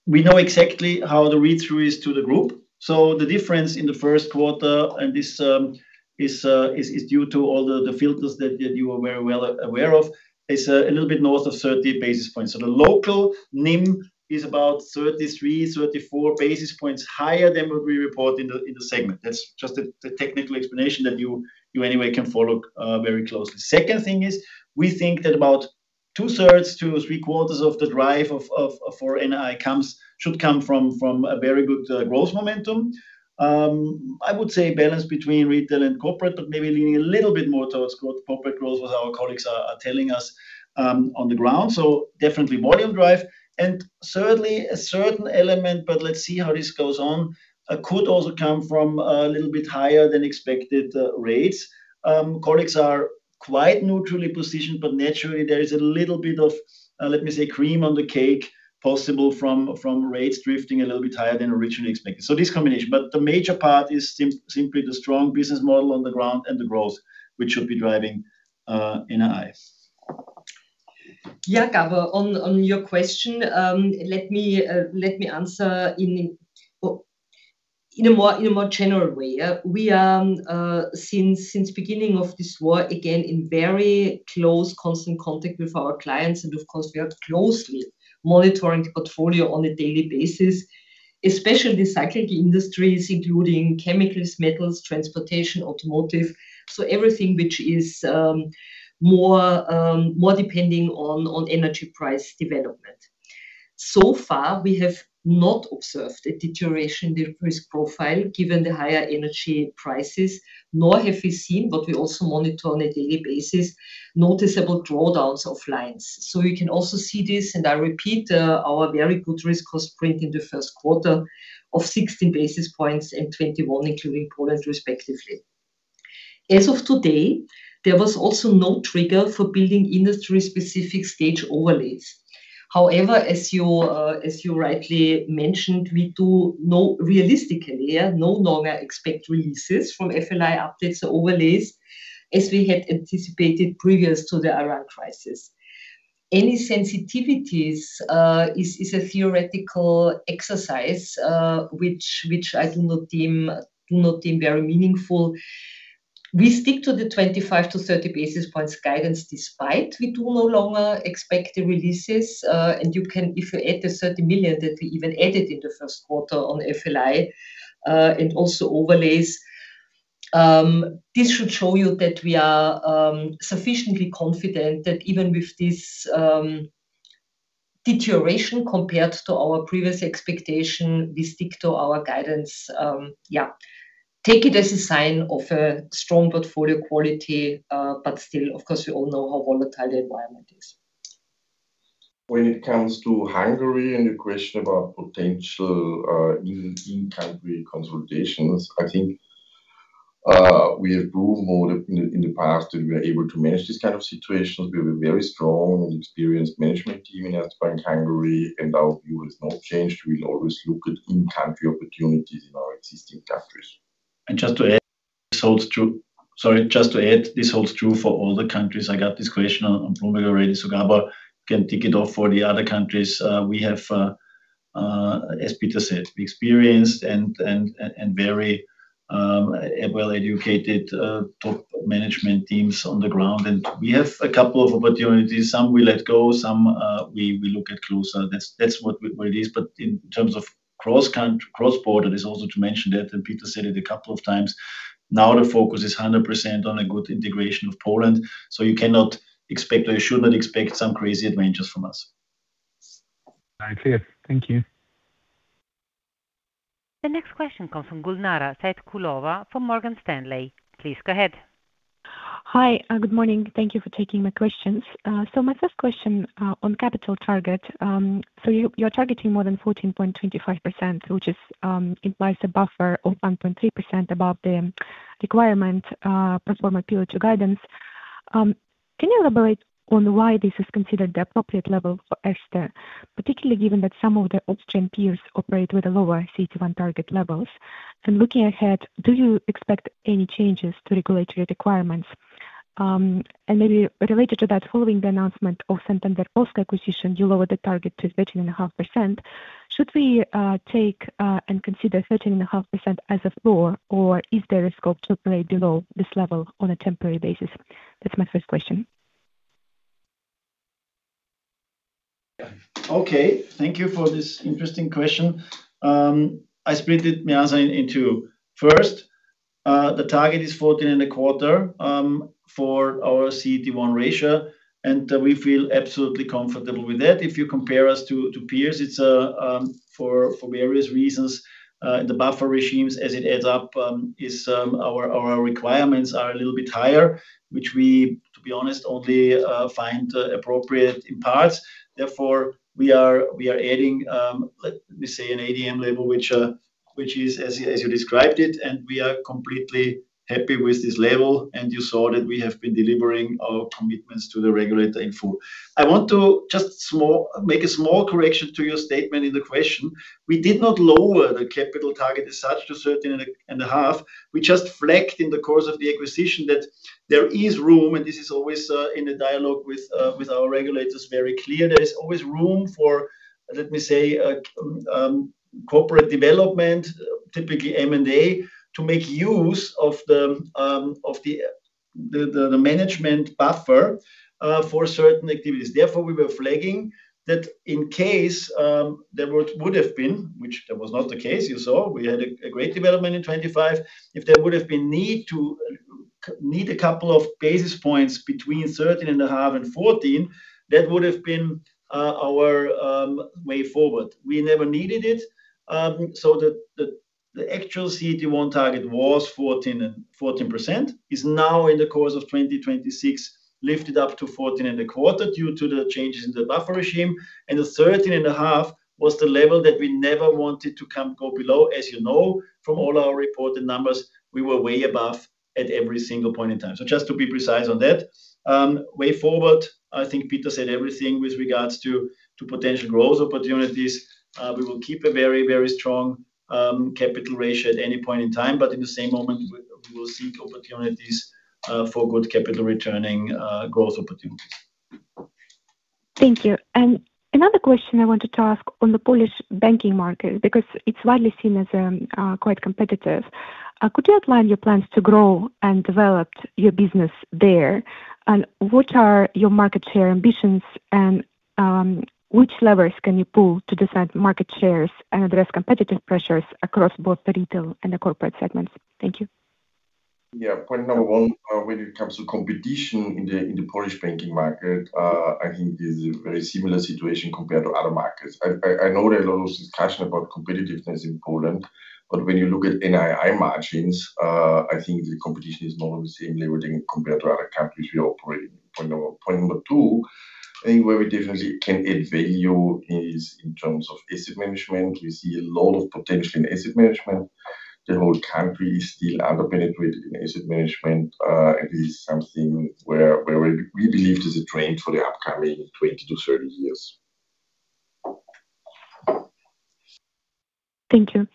We know exactly how the read-through is to the group. The difference in the first quarter, and this is due to all the filters that you are very well aware of, is a little bit north of 30 basis points. The local NIM is about 33 basis points, 34 basis points higher than what we report in the segment. That's just the technical explanation that you anyway can follow very closely. Second thing is, we think that about two thirds to three-quarters of the drive for NII should come from a very good growth momentum. I would say balance between retail and corporate, but maybe leaning a little bit more towards corporate growth, as our colleagues are telling us on the ground. Definitely volume drive. Thirdly, a certain element, but let's see how this goes on, could also come from a little bit higher than expected rates. Colleagues are quite neutrally positioned, but naturally there is a little bit of, let me say, cream on the cake possible from rates drifting a little bit higher than originally expected. This combination. The major part is simply the strong business model on the ground and the growth, which should be driving NII. Yeah, Gabor, on your question, let me answer in a more general way. Yeah. We are since beginning of this war, again, in very close constant contact with our clients, and of course, we are closely monitoring the portfolio on a daily basis, especially cyclic industries, including chemicals, metals, transportation, automotive. Everything which is more depending on energy price development. So far, we have not observed a deterioration in the risk profile given the higher energy prices, nor have we seen, but we also monitor on a daily basis, noticeable drawdowns of lines. You can also see this, and I repeat, our very good risk cost print in the first quarter of 16 basis points and 21 basis points, including Poland respectively. As of today, there was also no trigger for building industry specific stage overlays. However, as you, as you rightly mentioned, we do realistically, yeah, no longer expect releases from FLI updates or overlays as we had anticipated previous to the Iran crisis. Any sensitivities, is a theoretical exercise, which I do not deem very meaningful. We stick to the 25 basis points to 30 basis points guidance despite we do no longer expect the releases. You can, if you add the 30 million that we even added in the first quarter on FLI, and also overlays, this should show you that we are sufficiently confident that even with this deterioration compared to our previous expectation, we stick to our guidance. Yeah. Take it as a sign of a strong portfolio quality, but still, of course, we all know how volatile the environment is. When it comes to Hungary and the question about potential, in-country consultations, I think, we have proved more in the past that we are able to manage these kind of situations. We have a very strong and experienced management team in Erste Bank Hungary, and our view has not changed. We will always look at in-country opportunities in our existing countries. Just to add, this holds true for all the countries. I got this question on Provident Polska. Gabor Kemeny can tick it off for the other countries. We have, as Peter Bosek said, experienced and very well-educated top management teams on the ground. We have a couple of opportunities. Some we let go, some we look at closer. That's what it is. In terms of cross-border, there's also to mention that, and Peter Bosek said it a couple of times, now the focus is 100% on a good integration of Poland. You cannot expect, or you should not expect some crazy adventures from us. I hear. Thank you. The next question comes from Gulnara Saitkulova from Morgan Stanley. Please go ahead. Hi. Good morning. Thank you for taking my questions. My first question on capital target. You're targeting more than 14.25%, which implies a buffer of 1.3% above the requirement, performance period to guidance. Can you elaborate on why this is considered the appropriate level for Erste Group, particularly given that some of the upstream peers operate with a lower CET1 target levels? Looking ahead, do you expect any changes to regulatory requirements? Maybe related to that, following the announcement of Sberbank Polska acquisition, you lowered the target to 13.5%. Should we take and consider 13.5% as a floor, or is there a scope to operate below this level on a temporary basis? That's my first question. Okay. Thank you for this interesting question. I split it, Gulnara, into first, the target is 14.25% for our CET1 ratio, and we feel absolutely comfortable with that. If you compare us to peers, it's for various reasons, the buffer regimes as it adds up, is our requirements are a little bit higher, which we, to be honest, only find appropriate in parts. We are adding, let me say an ADM level, which is as you described it, and we are completely happy with this level. You saw that we have been delivering our commitments to the regulator in full. I want to just make a small correction to your statement in the question. We did not lower the capital target as such to 13.5. We just flagged in the course of the acquisition that there is room, and this is always in the dialogue with our regulators very clear. There is always room for, let me say, corporate development, typically M&A, to make use of the management buffer for certain activities. We were flagging that in case there would have been, which that was not the case, you saw, we had a great development in 2025. If there would have been need a couple of basis points between 13.5 basis point and 14 basis point, that would have been our way forward. We never needed it. The actual CET1 target was 14%. It's now in the course of 2026, lifted up to 14 basis point and a quarter due to the changes in the buffer regime. The 13 and a half was the level that we never wanted to go below. As you know, from all our reported numbers, we were way above at every single point in time. Just to be precise on that, way forward, I think Peter said everything with regards to potential growth opportunities. We will keep a very strong capital ratio at any point in time. In the same moment, We will seek opportunities for good capital returning growth opportunities. Thank you. Another question I wanted to ask on the Polish banking market, because it's widely seen as quite competitive. Could you outline your plans to grow and develop your business there? What are your market share ambitions and which levers can you pull to decide market shares and address competitive pressures across both the retail and the corporate segments? Thank you. Yeah. Point number one, when it comes to competition in the Polish banking market, I think it is a very similar situation compared to other markets. I know there are a lot of discussion about competitiveness in Poland. When you look at NII margins, I think the competition is not on the same level compared to other countries we operate in. Point number two, I think where we definitely can add value is in terms of asset management. We see a lot of potential in asset management. The whole country is still under-penetrated in asset management. It is something where we believe there's a trend for the upcoming 20 years to 30 years. Thank you.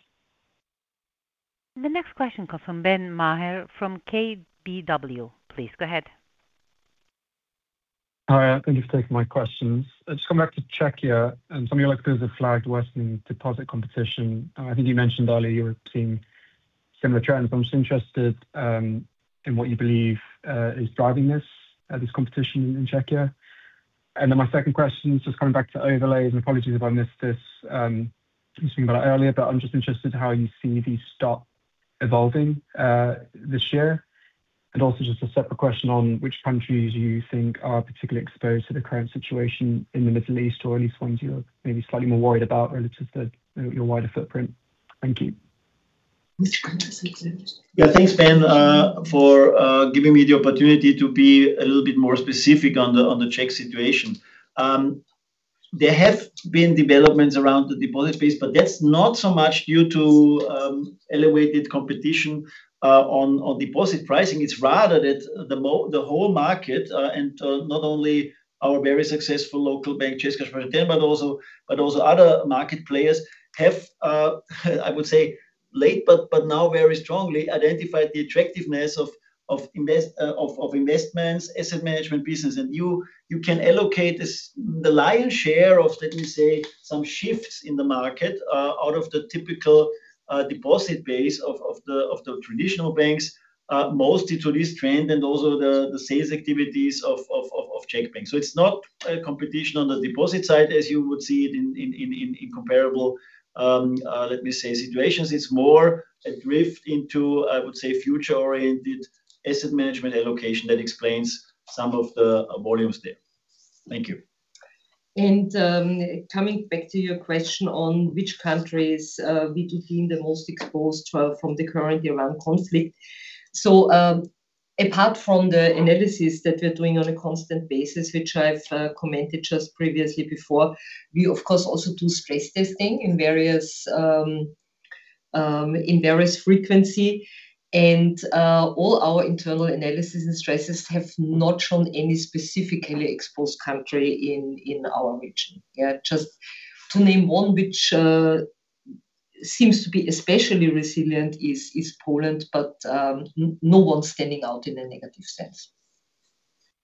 The next question comes from Ben Maher from KBW. Please, go ahead. Hi. Thank you for taking my questions. Just coming back to Czechia, and something you looked at the flagged western deposit competition. I think you mentioned earlier you were seeing similar trends. I'm just interested in what you believe is driving this competition in Czechia. My second question, just coming back to overlays, and apologies if I missed this, you talking about it earlier, but I'm just interested how you see the stock evolving this year. Just a separate question on which countries you think are particularly exposed to the current situation in the Middle East, or at least ones you're maybe slightly more worried about relative to, you know, your wider footprint. Thank you. Mr. Dörfler. Yeah. Thanks, Ben, for giving me the opportunity to be a little bit more specific on the Czech situation. There have been developments around the deposit base, but that's not so much due to elevated competition on deposit pricing. It's rather that the whole market, and not only our very successful local bank, Česká spořitelna, but also other market players have, I would say late, but now very strongly identified the attractiveness of investments asset management business. You can allocate this, the lion's share of, let me say, some shifts in the market, out of the typical deposit base of the traditional banks, mostly to this trend and also the sales activities of Czech banks. It's not a competition on the deposit side as you would see it in comparable, let me say, situations. It's more a drift into, I would say, future-oriented asset management allocation that explains some of the volumes there. Thank you. Coming back to your question on which countries we do deem the most exposed to, from the current Iran conflict. Apart from the analysis that we're doing on a constant basis, which I've commented just previously before, we of course also do stress testing in various in various frequency. All our internal analysis and stresses have not shown any specifically exposed country in our region. Just to name one which seems to be especially resilient is Poland, but no one standing out in a negative sense.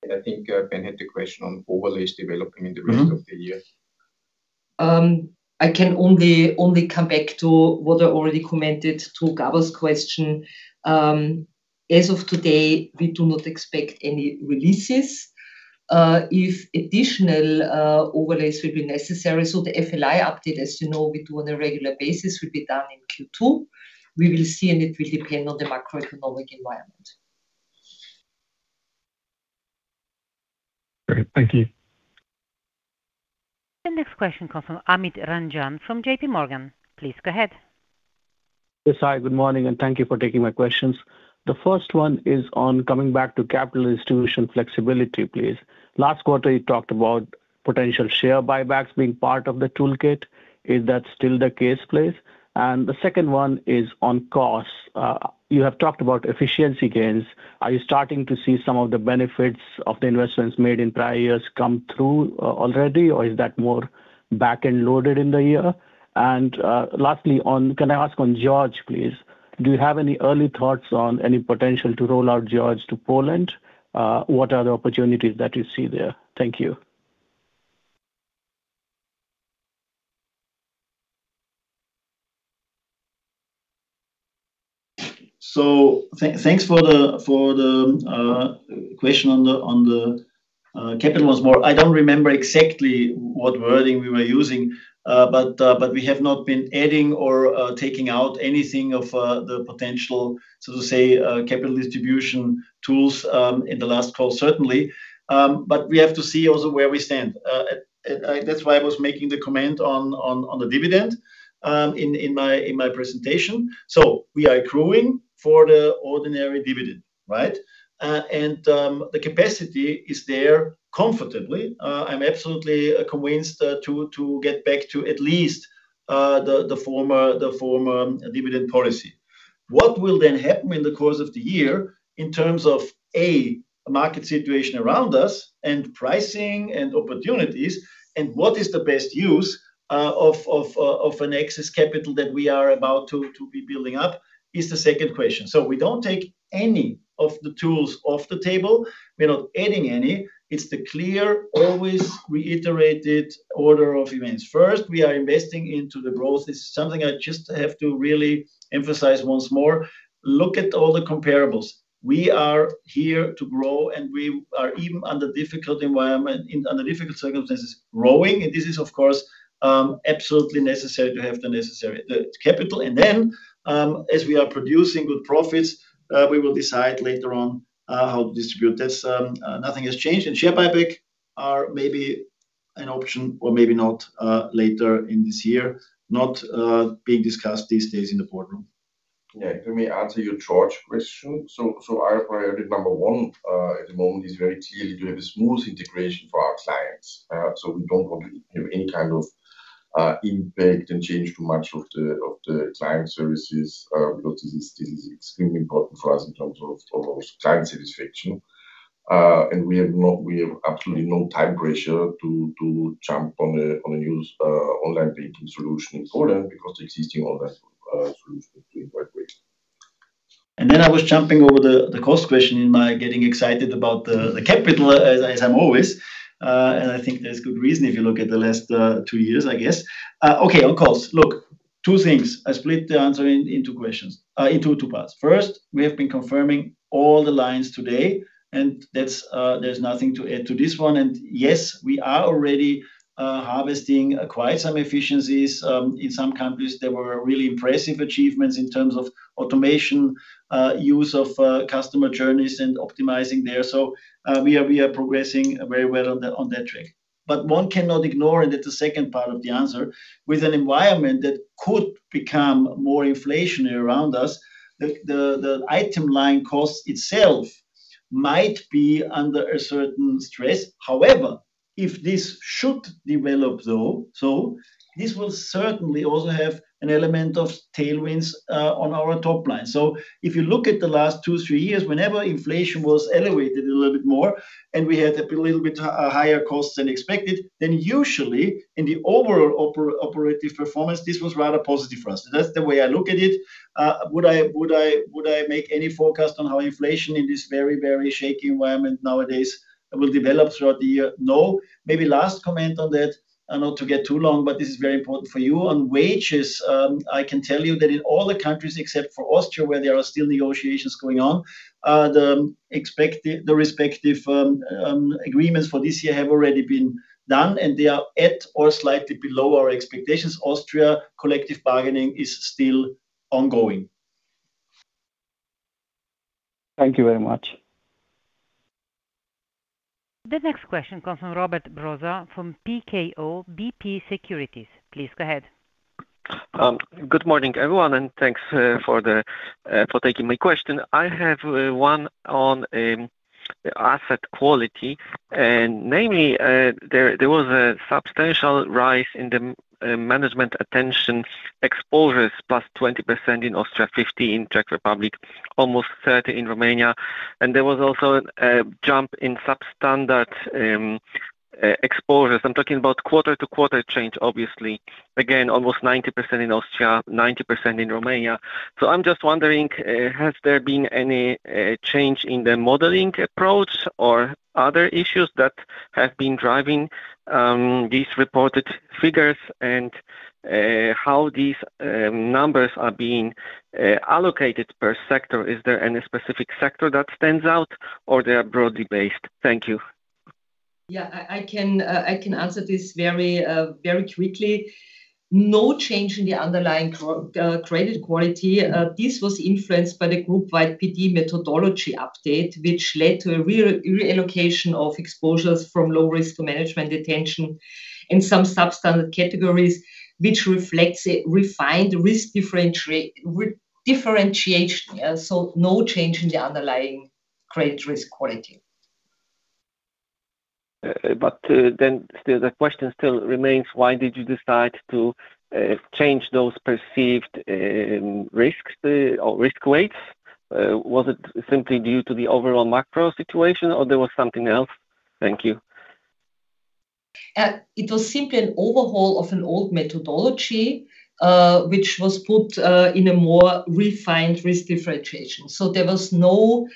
I think, Ben had the question on overlays developing in the rest of the year. I can only come back to what I already commented to Gabor's question. As of today, we do not expect any releases. If additional overlays will be necessary, so the FLI update, as you know we do on a regular basis, will be done in Q2. We will see, and it will depend on the macroeconomic environment. Great. Thank you. The next question comes from Amit Ranjan from J.P. Morgan. Please go ahead. Yes. Hi, good morning, thank you for taking my questions. The first one is on coming back to capital institution flexibility, please. Last quarter, you talked about potential share buybacks being part of the toolkit. Is that still the case, please? The second one is on costs. You have talked about efficiency gains. Are you starting to see some of the benefits of the investments made in prior years come through already, or is that more back-end loaded in the year? Lastly, can I ask on George, please? Do you have any early thoughts on any potential to roll out George to Poland? What are the opportunities that you see there? Thank you. Thanks for the question on the capital as more. I don't remember exactly what wording we were using. We have not been adding or taking out anything of the potential, so to say, capital distribution tools, in the last call, certainly. We have to see also where we stand. I, that's why I was making the comment on the dividend in my presentation. We are accruing for the ordinary dividend, right? The capacity is there comfortably. I'm absolutely convinced to get back to at least the former dividend policy. What will then happen in the course of the year in terms of A market situation around us and pricing and opportunities, and what is the best use of an excess capital that we are about to be building up is the second question. We don't take any of the tools off the table. We're not adding any. It's the clear, always reiterated order of events. First, we are investing into the growth. This is something I just have to really emphasize once more. Look at all the comparables. We are here to grow, and we are even under difficult environment, under difficult circumstances, growing, and this is, of course, absolutely necessary to have the necessary capital. As we are producing good profits, we will decide later on how to distribute this. Nothing has changed, and share buyback are maybe an option or maybe not, later in this year, not being discussed these days in the boardroom. Yeah. Let me answer your charge question. Our priority number one at the moment is very clearly to have a smooth integration for our clients. We don't want to have any kind of impact and change too much of the client services because this is extremely important for us in terms of our client satisfaction. We have absolutely no time pressure to jump on a new online banking solution in Poland because the existing online solution is doing quite great. I was jumping over the cost question in my getting excited about the capital as I'm always, and I think there's good reason if you look at the last two years, I guess. Okay, on costs. Look, two things. I split the answer into two parts. First, we have been confirming all the lines today, that's, there's nothing to add to this one. Yes, we are already, harvesting quite some efficiencies. In some countries, there were really impressive achievements in terms of automation, use of customer journeys and optimizing there. We are progressing very well on that, on that track. One cannot ignore, and that's the second part of the answer, with an environment that could become more inflationary around us, the item line cost itself might be under a certain stress. If this should develop though, this will certainly also have an element of tailwinds on our top line. If you look at the last two, three years, whenever inflation was elevated a little bit more and we had a little bit higher costs than expected, then usually in the overall operative performance, this was rather positive for us. That's the way I look at it. Would I make any forecast on how inflation in this very, very shaky environment nowadays will develop throughout the year? No. Maybe last comment on that, and not to get too long, but this is very important for you. On wages, I can tell you that in all the countries except for Austria, where there are still negotiations going on, the respective agreements for this year have already been done. They are at or slightly below our expectations. Austria collective bargaining is still ongoing. Thank you very much. The next question comes from Robert Brzoza from PKO BP Securities. Please go ahead. Good morning, everyone, thanks for taking my question. I have one on asset quality, namely, there was a substantial rise in the management attention exposures, +20% in Austria, 15% Czech Republic, almost 30% in Romania. There was also a jump in substandard exposures. I'm talking about quarter-to-quarter change, obviously. Again, almost 90% in Austria, 90% in Romania. I'm just wondering, has there been any change in the modeling approach or other issues that have been driving these reported figures and how these numbers are being allocated per sector? Is there any specific sector that stands out or they are broadly based? Thank you. Yeah, I can answer this very quickly. No change in the underlying credit quality. This was influenced by the group-wide PD methodology update, which led to a reallocation of exposures from low risk to management attention in some substandard categories, which reflects a refined risk differentiation. No change in the underlying credit risk quality. The question still remains, why did you decide to change those perceived risks or risk weights? Was it simply due to the overall macro situation, or there was something else? Thank you. It was simply an overhaul of an old methodology, which was put in a more refined risk differentiation. There was no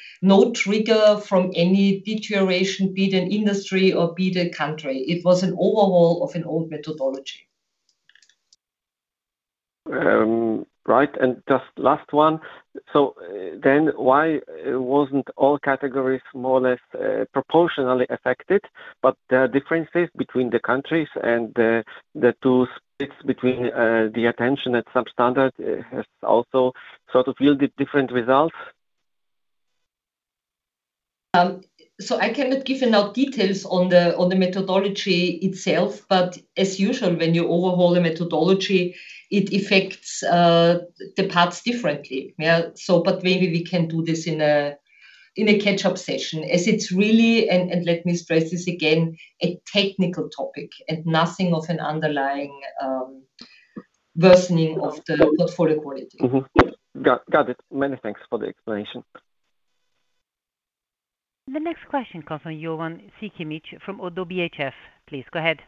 trigger from any deterioration, be it an industry or be it a country. It was an overhaul of an old methodology. Right. Just last one. Why wasn't all categories more or less proportionally affected? There are differences between the countries and the two splits between the attention at substandard has also sort of yielded different results. I cannot give you now details on the, on the methodology itself, but as usual, when you overhaul a methodology, it affects the parts differently. Maybe we can do this in a, in a catch-up session as it's really, and let me stress this again, a technical topic and nothing of an underlying worsening of the-- not for the quality. Mm-hmm. Got it. Many thanks for the explanation. The next question comes from Jovan Sikimic from ODDO BHF. Please go ahead.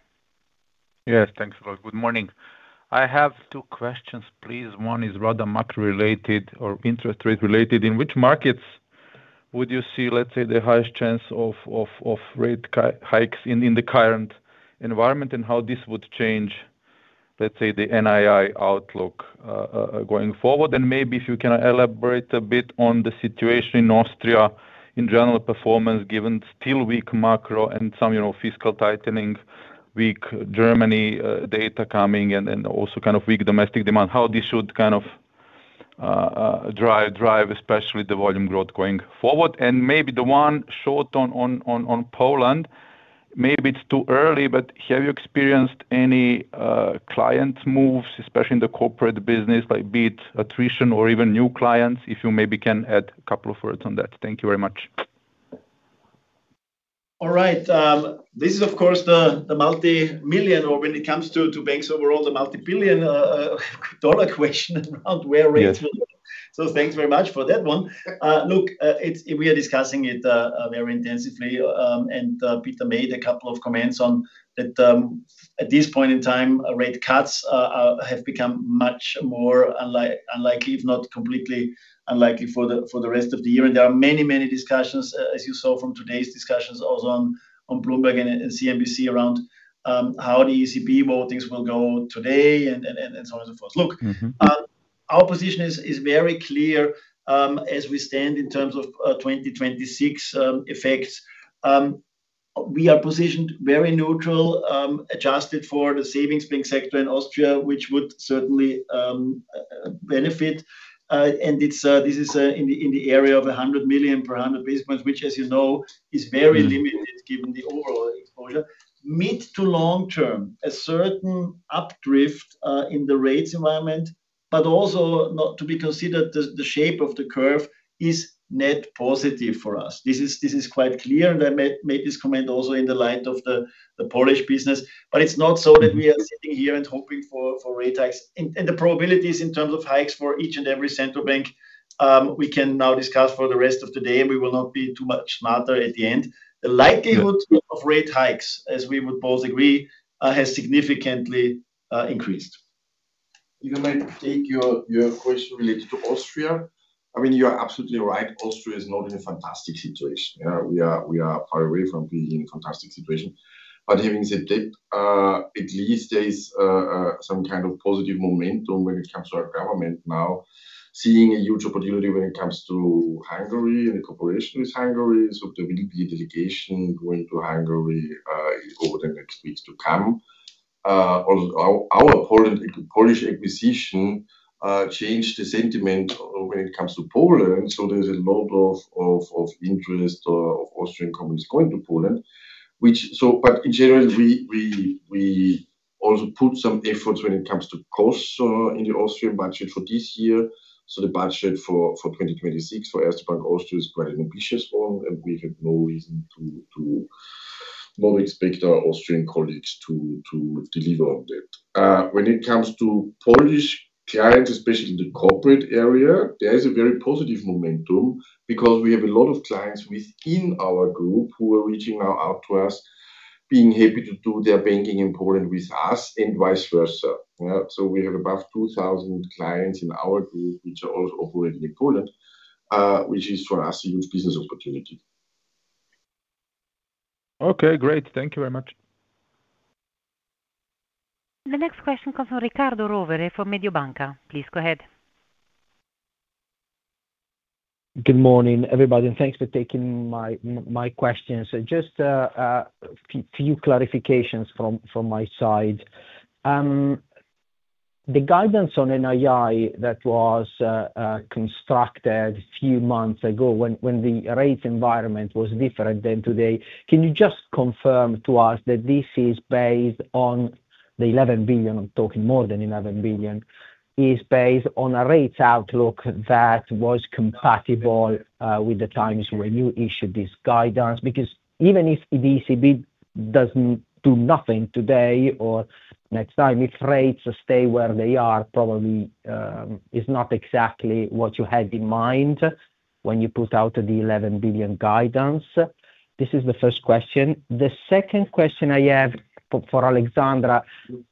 Yes, thanks a lot. Good morning. I have two questions, please. One is rather macro-related or interest-rate related. In which markets would you see, let's say, the highest chance of rate hikes in the current environment, and how this would change, let's say, the NII outlook going forward? Maybe if you can elaborate a bit on the situation in Austria, in general performance, given still weak macro and some, you know, fiscal tightening, weak Germany data coming and also kind of weak domestic demand. How this should kind of drive, especially the volume growth going forward? Maybe the one short on Poland, maybe it's too early, but have you experienced any client moves, especially in the corporate business, like be it attrition or even new clients, if you maybe can add a couple of words on that. Thank you very much. All right. This is of course the multi-million or when it comes to banks overall, the multi-billion dollar question around where rates will go. Yes. Thanks very much for that one. We are discussing it very intensively. Peter made a couple of comments on that. At this point in time, rate cuts have become much more unlikely, if not completely unlikely for the rest of the year. There are many discussions, as you saw from today's discussions also on Bloomberg and CNBC around how the ECB votings will go today and so on and so forth. Mm-hmm Our position is very clear, as we stand in terms of 2026 effects. We are positioned very neutral, adjusted for the savings bank sector in Austria, which would certainly benefit. It's in the area of 100 million per 100 basis points, which, as you know, is very limited given the overall exposure. Mid to long term, a certain up drift in the rates environment, also not to be considered the shape of the curve is net positive for us. This is quite clear, and I made this comment also in the light of the Polish business. It's not so that we are sitting here and hoping for rate hikes. The probabilities in terms of hikes for each and every central bank, we can now discuss for the rest of the day, and we will not be too much smarter at the end. The likelihood of rate hikes, as we would both agree, has significantly increased. If I might take your question related to Austria. I mean, you are absolutely right, Austria is not in a fantastic situation. You know, we are far away from being in a fantastic situation. Having said that, at least there is some kind of positive momentum when it comes to our government now, seeing a huge opportunity when it comes to Hungary and the cooperation with Hungary. There will be a delegation going to Hungary over the next weeks to come. Also our Polish acquisition changed the sentiment when it comes to Poland, there's a lot of interest of Austrian companies going to Poland. In general, we also put some efforts when it comes to costs in the Austrian budget for this year. The budget for 2026 for Erste Bank Austria is quite an ambitious one, and we have no reason not to expect our Austrian colleagues to deliver on that. When it comes to Polish clients, especially in the corporate area, there is a very positive momentum because we have a lot of clients within our group who are reaching out to us, being happy to do their banking in Poland with us and vice versa. You know? We have above 2,000 clients in our group which are also operating in Poland, which is for us a huge business opportunity. Okay, great. Thank you very much. The next question comes from Riccardo Rovere from Mediobanca. Please go ahead. Good morning, everybody, and thanks for taking my questions. Just a few clarifications from my side. The guidance on NII that was constructed a few months ago when the rate environment was different than today, can you just confirm to us that this is based on the 11 billion, I'm talking more than 11 billion, is based on a rate outlook that was compatible with the times when you issued this guidance? Even if the ECB doesn't do nothing today or next time, if rates stay where they are, probably, is not exactly what you had in mind when you put out the 11 billion guidance. This is the first question. The second question I have for Alexandra.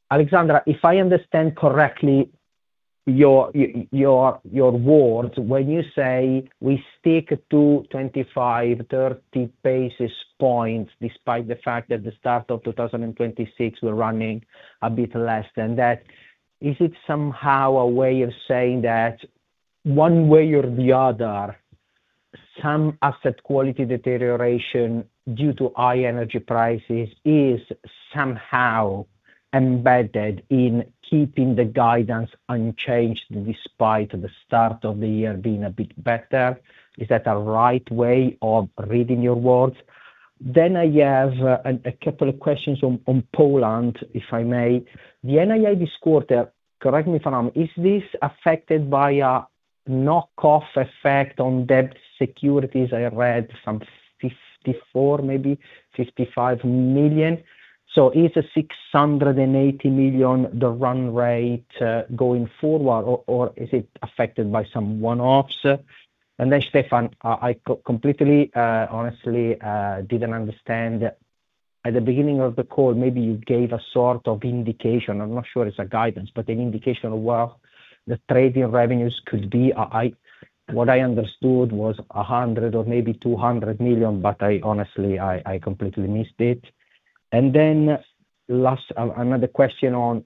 Alexandra Habeler-Drabek, if I understand correctly, your words when you say we stick to 25, 30 basis points, despite the fact that the start of 2026, we're running a bit less than that. Is it somehow embedded in keeping the guidance unchanged despite the start of the year being a bit better? Is that a right way of reading your words? I have a couple of questions on Poland, if I may. The NII this quarter, correct me if I'm wrong, is this affected by a knock-off effect on debt securities? I read some 54 million, maybe 55 million. Is 680 million the run rate going forward or is it affected by some one-offs? Stefan, I completely, honestly, didn't understand. At the beginning of the call, maybe you gave a sort of indication, I'm not sure it's a guidance, but an indication of where the trading revenues could be. What I understood was 100 million or maybe 200 million, I honestly, I completely missed it. Last, another question on,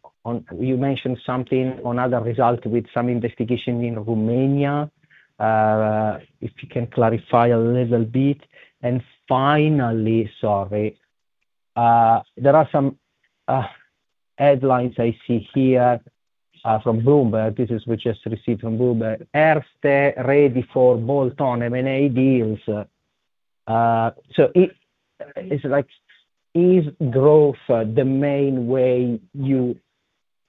you mentioned something on other result with some investigation in Romania. If you can clarify a little bit. Sorry, there are some headlines I see here from Bloomberg. This is we just received from Bloomberg. Erste ready for bolt-on M&A deals. Is growth the main way you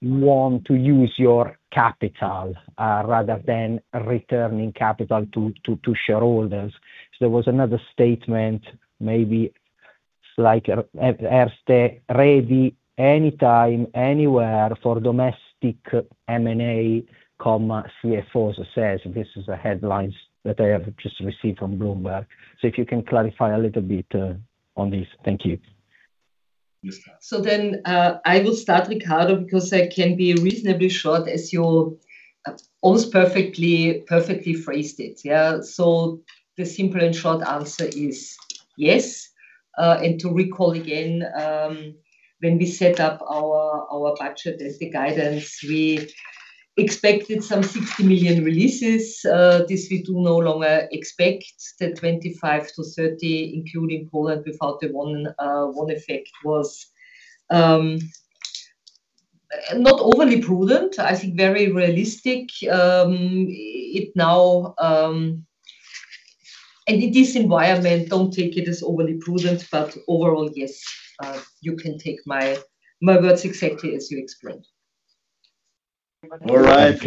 want to use your capital rather than returning capital to shareholders? There was another statement maybe it's like Erste ready anytime, anywhere for domestic M&A, CFO says. This is the headlines that I have just received from Bloomberg. If you can clarify a little bit on this. Thank you. Yes. I will start Riccardo because I can be reasonably short as you almost perfectly phrased it. Yeah. The simple and short answer is yes. To recall again, when we set up our budget as the guidance, we expected some 60 million releases. This we do no longer expect. The 25-30, including Poland without the one effect was not overly prudent, I think very realistic. In this environment, don't take it as overly prudent, but overall, yes, you can take my words exactly as you explained. All right.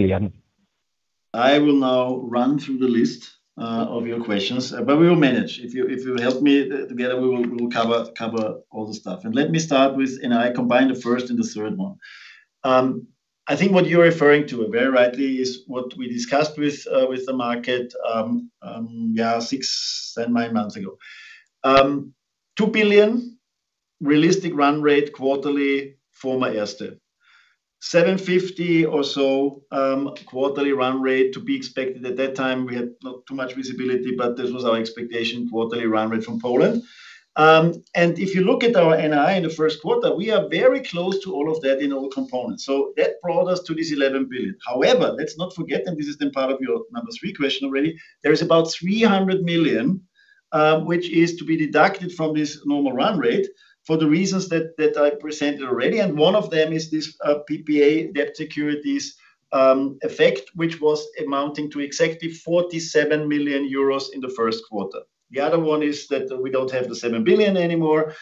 I will now run through the list of your questions, but we will manage. If you help me, together we will cover all the stuff. Let me start with. I combine the first and the third one. I think what you're referring to, very rightly, is what we discussed with the market, yeah, six, seven, nine months ago. 2 billion realistic run rate quarterly for my Erste. 750 or so, quarterly run rate to be expected. At that time, we had not too much visibility, but this was our expectation, quarterly run rate from Poland. If you look at our NII in the first quarter, we are very close to all of that in all components. That brought us to this 11 billion. However, let's not forget, and this is then part of your number three question already, there is about 300 million which is to be deducted from this normal run rate for the reasons that I presented already. One of them is this PPA debt securities effect, which was amounting to exactly 47 million euros in the first quarter. The other one is that we don't have the 7 billion anymore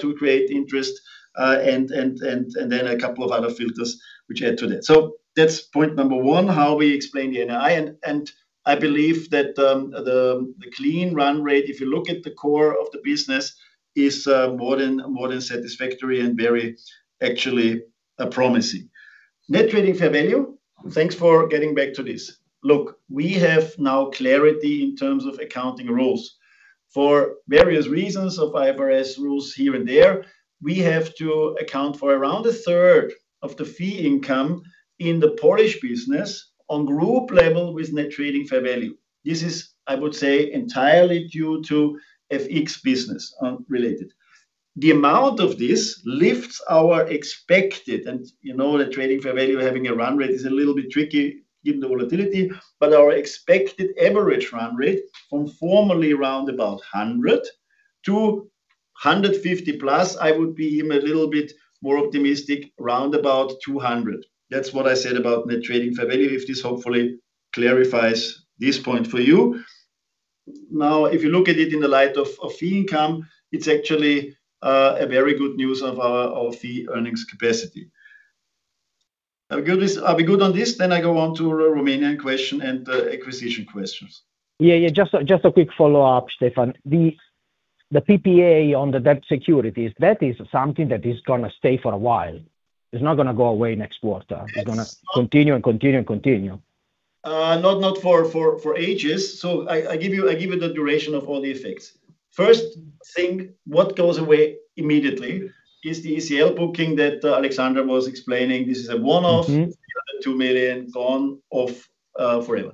to create interest, and then a couple of other filters which add to that. That's point number one, how we explain the NII. I believe that the clean run rate, if you look at the core of the business, is more than satisfactory and very actually promising. Net trading fair value. Thanks for getting back to this. Look, we have now clarity in terms of accounting rules. For various reasons of IFRS rules here and there, we have to account for around a third of the fee income in the Polish business on group level with net trading fair value. This is, I would say, entirely due to FX business related. The amount of this lifts our expected, and you know that trading fair value having a run rate is a little bit tricky given the volatility, but our expected average run rate from formerly around about 100 to 150 plus, I would be even a little bit more optimistic, around about 200. That's what I said about net trading fair value, if this hopefully clarifies this point for you. If you look at it in the light of fee income, it's actually a very good news of the earnings capacity. Are we good on this? I go on to Romanian question and acquisition questions. Yeah. Just a quick follow-up, Stefan. The PPA on the debt securities, that is something that is gonna stay for a while. It's not gonna go away next quarter. It's not- It's gonna continue and continue and continue. Not for ages. I give you the duration of all the effects. First thing, what goes away immediately is the ECL booking that Alexandra was explaining. This is a one-off. Mm-hmm. 2 million gone off forever.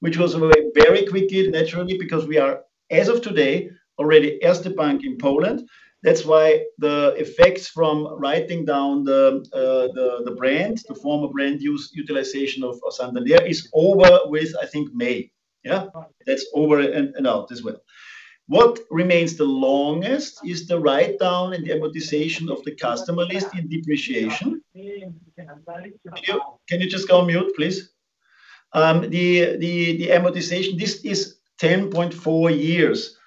Which was removed very quickly naturally because we are, as of today, already Erste Bank Polska. That's why the effects from writing down the brand, the former brand us-utilization of Santander is over with, I think, May. Yeah, that's over and out as well. What remains the longest is the write-down and the amortization of the customer list in depreciation. Can you just go on mute, please? The amortization, this is 10.4 years,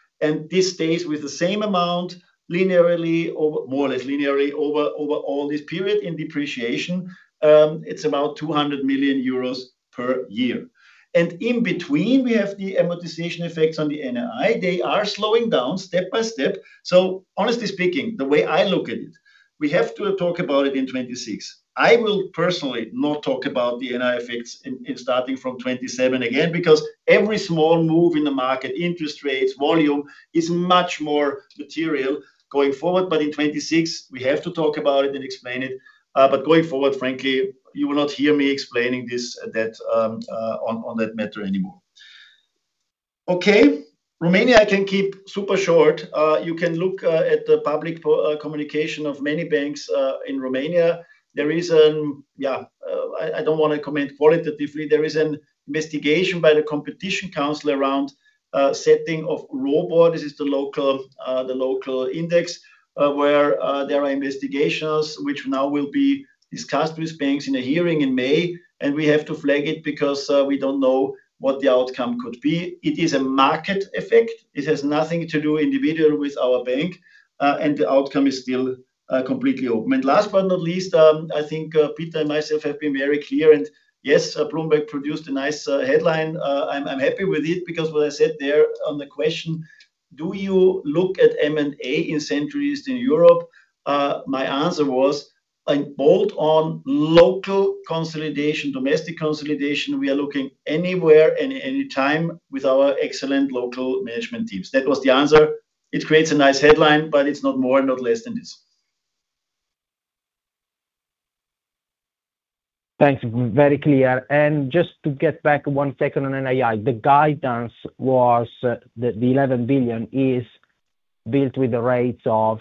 this stays with the same amount linearly more or less linearly over all this period. In depreciation, it's about 200 million euros per year. In between, we have the amortization effects on the NII. They are slowing down step by step. Honestly speaking, the way I look at it, we have to talk about it in 2026. I will personally not talk about the NII effects in starting from 2027 again because every small move in the market, interest rates, volume, is much more material going forward. In 2026, we have to talk about it and explain it. Going forward, frankly, you will not hear me explaining this at that on that matter anymore. Okay. Romania I can keep super short. You can look at the public communication of many banks in Romania. There is, I don't wanna comment qualitatively. There is an investigation by the Competition Council around setting of ROBOR. This is the local, the local index, where there are investigations which now will be discussed with banks in a hearing in May. We have to flag it because we don't know what the outcome could be. It is a market effect. It has nothing to do individual with our bank. The outcome is still completely open. Last but not least, I think Peter and myself have been very clear. Yes, Bloomberg produced a nice headline. I'm happy with it because what I said there on the question: Do you look at M&A in Central Eastern Europe? My answer was in bolt-on local consolidation, domestic consolidation, we are looking anywhere and any time with our excellent local management teams. That was the answer. It creates a nice headline, but it's not more, not less than this. Thanks. Very clear. Just to get back 1 second on NII, the guidance was, the 11 billion is built with the rates of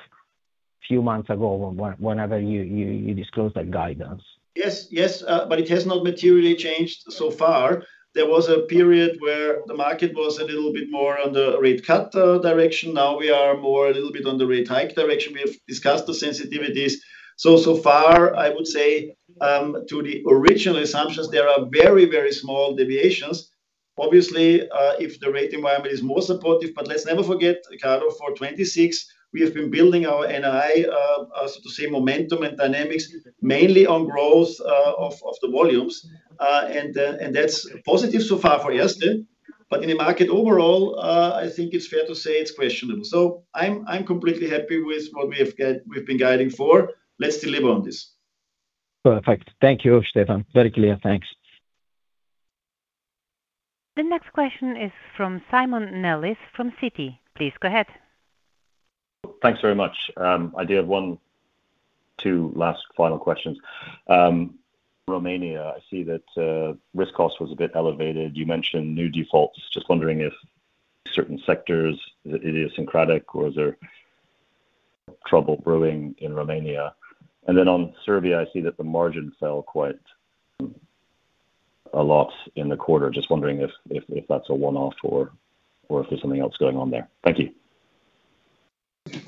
few months ago when, whenever you disclosed that guidance. Yes, yes, it has not materially changed so far. There was a period where the market was a little bit more on the rate cut direction. We are more a little bit on the rate hike direction. We have discussed the sensitivities. So far, I would say, to the original assumptions, there are very, very small deviations. Obviously, if the rate environment is more supportive, let's never forget, Riccardo, for 2026, we have been building our NII, so to say, momentum and dynamics mainly on growth of the volumes. That's positive so far for Erste. In the market overall, I think it's fair to say it's questionable. I'm completely happy with what we have we've been guiding for. Let's deliver on this. Perfect. Thank you, Stefan. Very clear. Thanks. The next question is from Simon Nellis from Citi. Please go ahead. Thanks very much. I do have two last final questions. Romania, I see that risk cost was a bit elevated. You mentioned new defaults. Just wondering if certain sectors, is it idiosyncratic, or is there trouble brewing in Romania? On Serbia, I see that the margin fell quite a lot in the quarter. Just wondering if that's a one-off or if there's something else going on there. Thank you.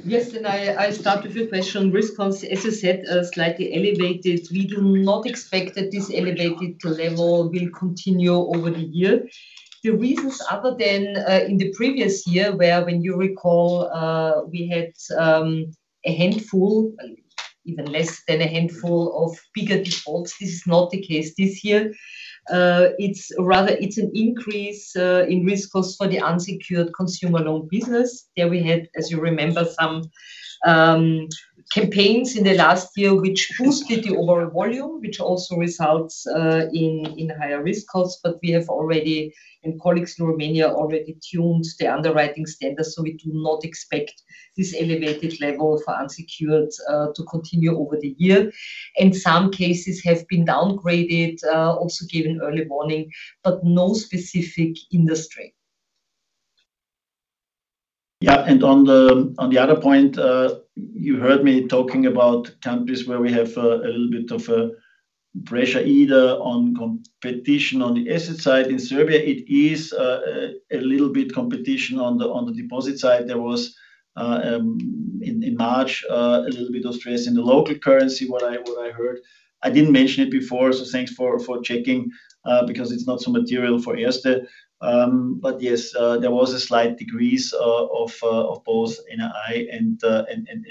Yes, I start with your question. Risk costs, as I said, are slightly elevated. We do not expect that this elevated level will continue over the year. The reasons other than in the previous year, where when you recall, we had a handful, even less than a handful of bigger defaults. This is not the case this year. Rather it's an increase in risk cost for the unsecured consumer loan business. There we had, as you remember, some campaigns in the last year which boosted the overall volume, which also results in higher risk costs. We have already, and colleagues in Romania already tuned the underwriting standards, so we do not expect this elevated level for unsecured to continue over the year. Some cases have been downgraded also given early warning, but no specific industry. On the, on the other point, you heard me talking about countries where we have a little bit of a pressure either on competition on the asset side. In Serbia, it is a little bit competition on the deposit side. There was in March a little bit of stress in the local currency, what I heard. I didn't mention it before, so thanks for checking, because it's not so material for Erste. Yes, there was a slight decrease of both NII and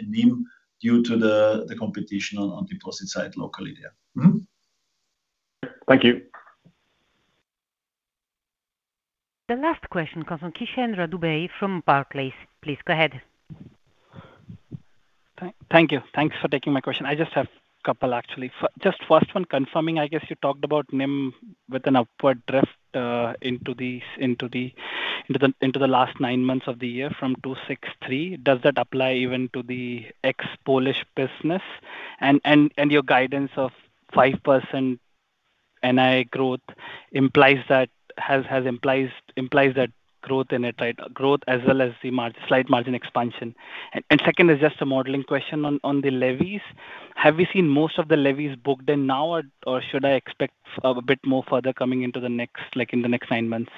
NIM due to the competition on deposit side locally. Thank you. The last question comes from Kishan Radia from Barclays. Please go ahead. Thank you. Thanks for taking my question. I just have couple, actually. Just first one confirming, I guess you talked about NIM with an upward drift into the last nine months of the year from 263 basis points. Does that apply even to the ex-Polish business? Your guidance of 5% NII growth implies that growth in it, right? Growth as well as the slight margin expansion. Second is just a modeling question on the levies. Have we seen most of the levies booked in now or should I expect a bit more further coming into the next, in the next nine months?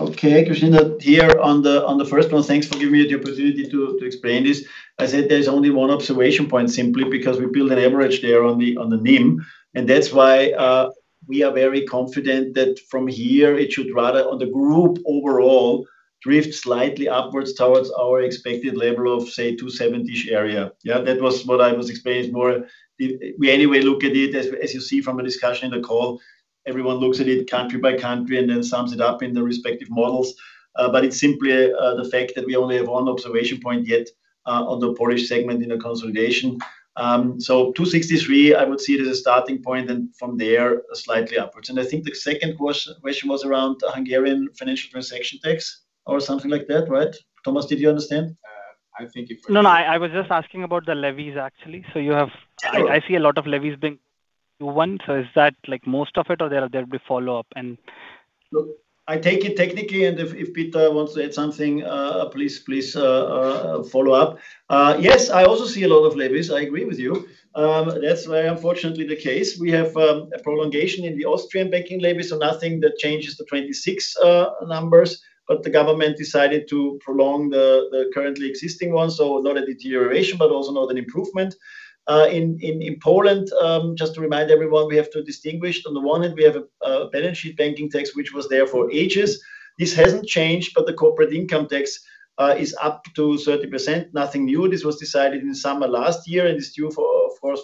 Okay, Kishan Radia, here on the, on the first one, thanks for giving me the opportunity to explain this. I said there's only one observation point simply because we built an average there on the, on the NIM, and that's why, we are very confident that from here it should rather, on the group overall, drift slightly upwards towards our expected level of, say, 2.7-ish area. Yeah, that was what I was explaining more. We anyway look at it as you see from a discussion in the call, everyone looks at it country by country and then sums it up in the respective models. It's simply the fact that we only have one observation point yet, on the Polish segment in the consolidation. 2.63, I would see it as a starting point, and from there, slightly upwards. I think the second question was around the Hungarian financial transaction tax or something like that, right? Thomas, did you understand? Uh, I think you- No, no, I was just asking about the levies actually. Oh. I see a lot of levies being one, is that like most of it or there'll be follow up? Look, I take it technically. If Peter wants to add something, please follow up. Yes, I also see a lot of levies, I agree with you. That's why unfortunately the case. We have a prolongation in the Austrian banking levy. Nothing that changes the 2026 numbers. The government decided to prolong the currently existing one. Not a deterioration, also not an improvement. In Poland, just to remind everyone, we have to distinguish. On the one end, we have a balance sheet banking tax, which was there for ages. This hasn't changed. The corporate income tax is up to 30%. Nothing new. This was decided in summer last year. It's due for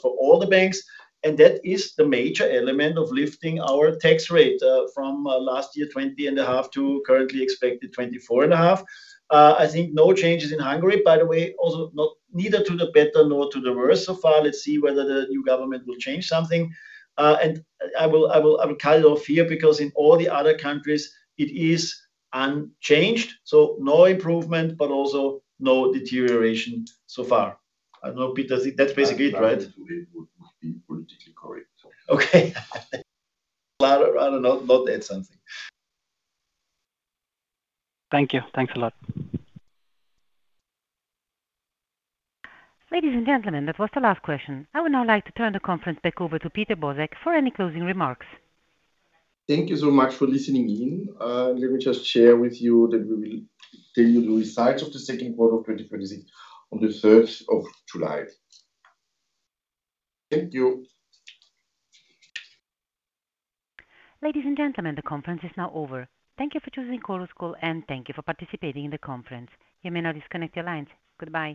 all the banks. That is the major element of lifting our tax rate from last year, 20.5%, to currently expected 24.5%. I think no changes in Hungary, by the way, neither to the better nor to the worse so far. Let's see whether the new government will change something. I will cut it off here because in all the other countries it is unchanged. No improvement, but also no deterioration so far. I don't know, Peter, that's basically it, right? That would be politically correct. Okay. Rather, rather not add something. Thank you. Thanks a lot. Ladies and gentlemen, that was the last question. I would now like to turn the conference back over to Peter Bosek for any closing remarks. Thank you so much for listening in. Let me just share with you that we will tell you the results of the second quarter of 2026 on the third of July. Thank you. Ladies and gentlemen, the conference is now over. Thank you for choosing Chorus Call, and thank you for participating in the conference. You may now disconnect your lines. Goodbye.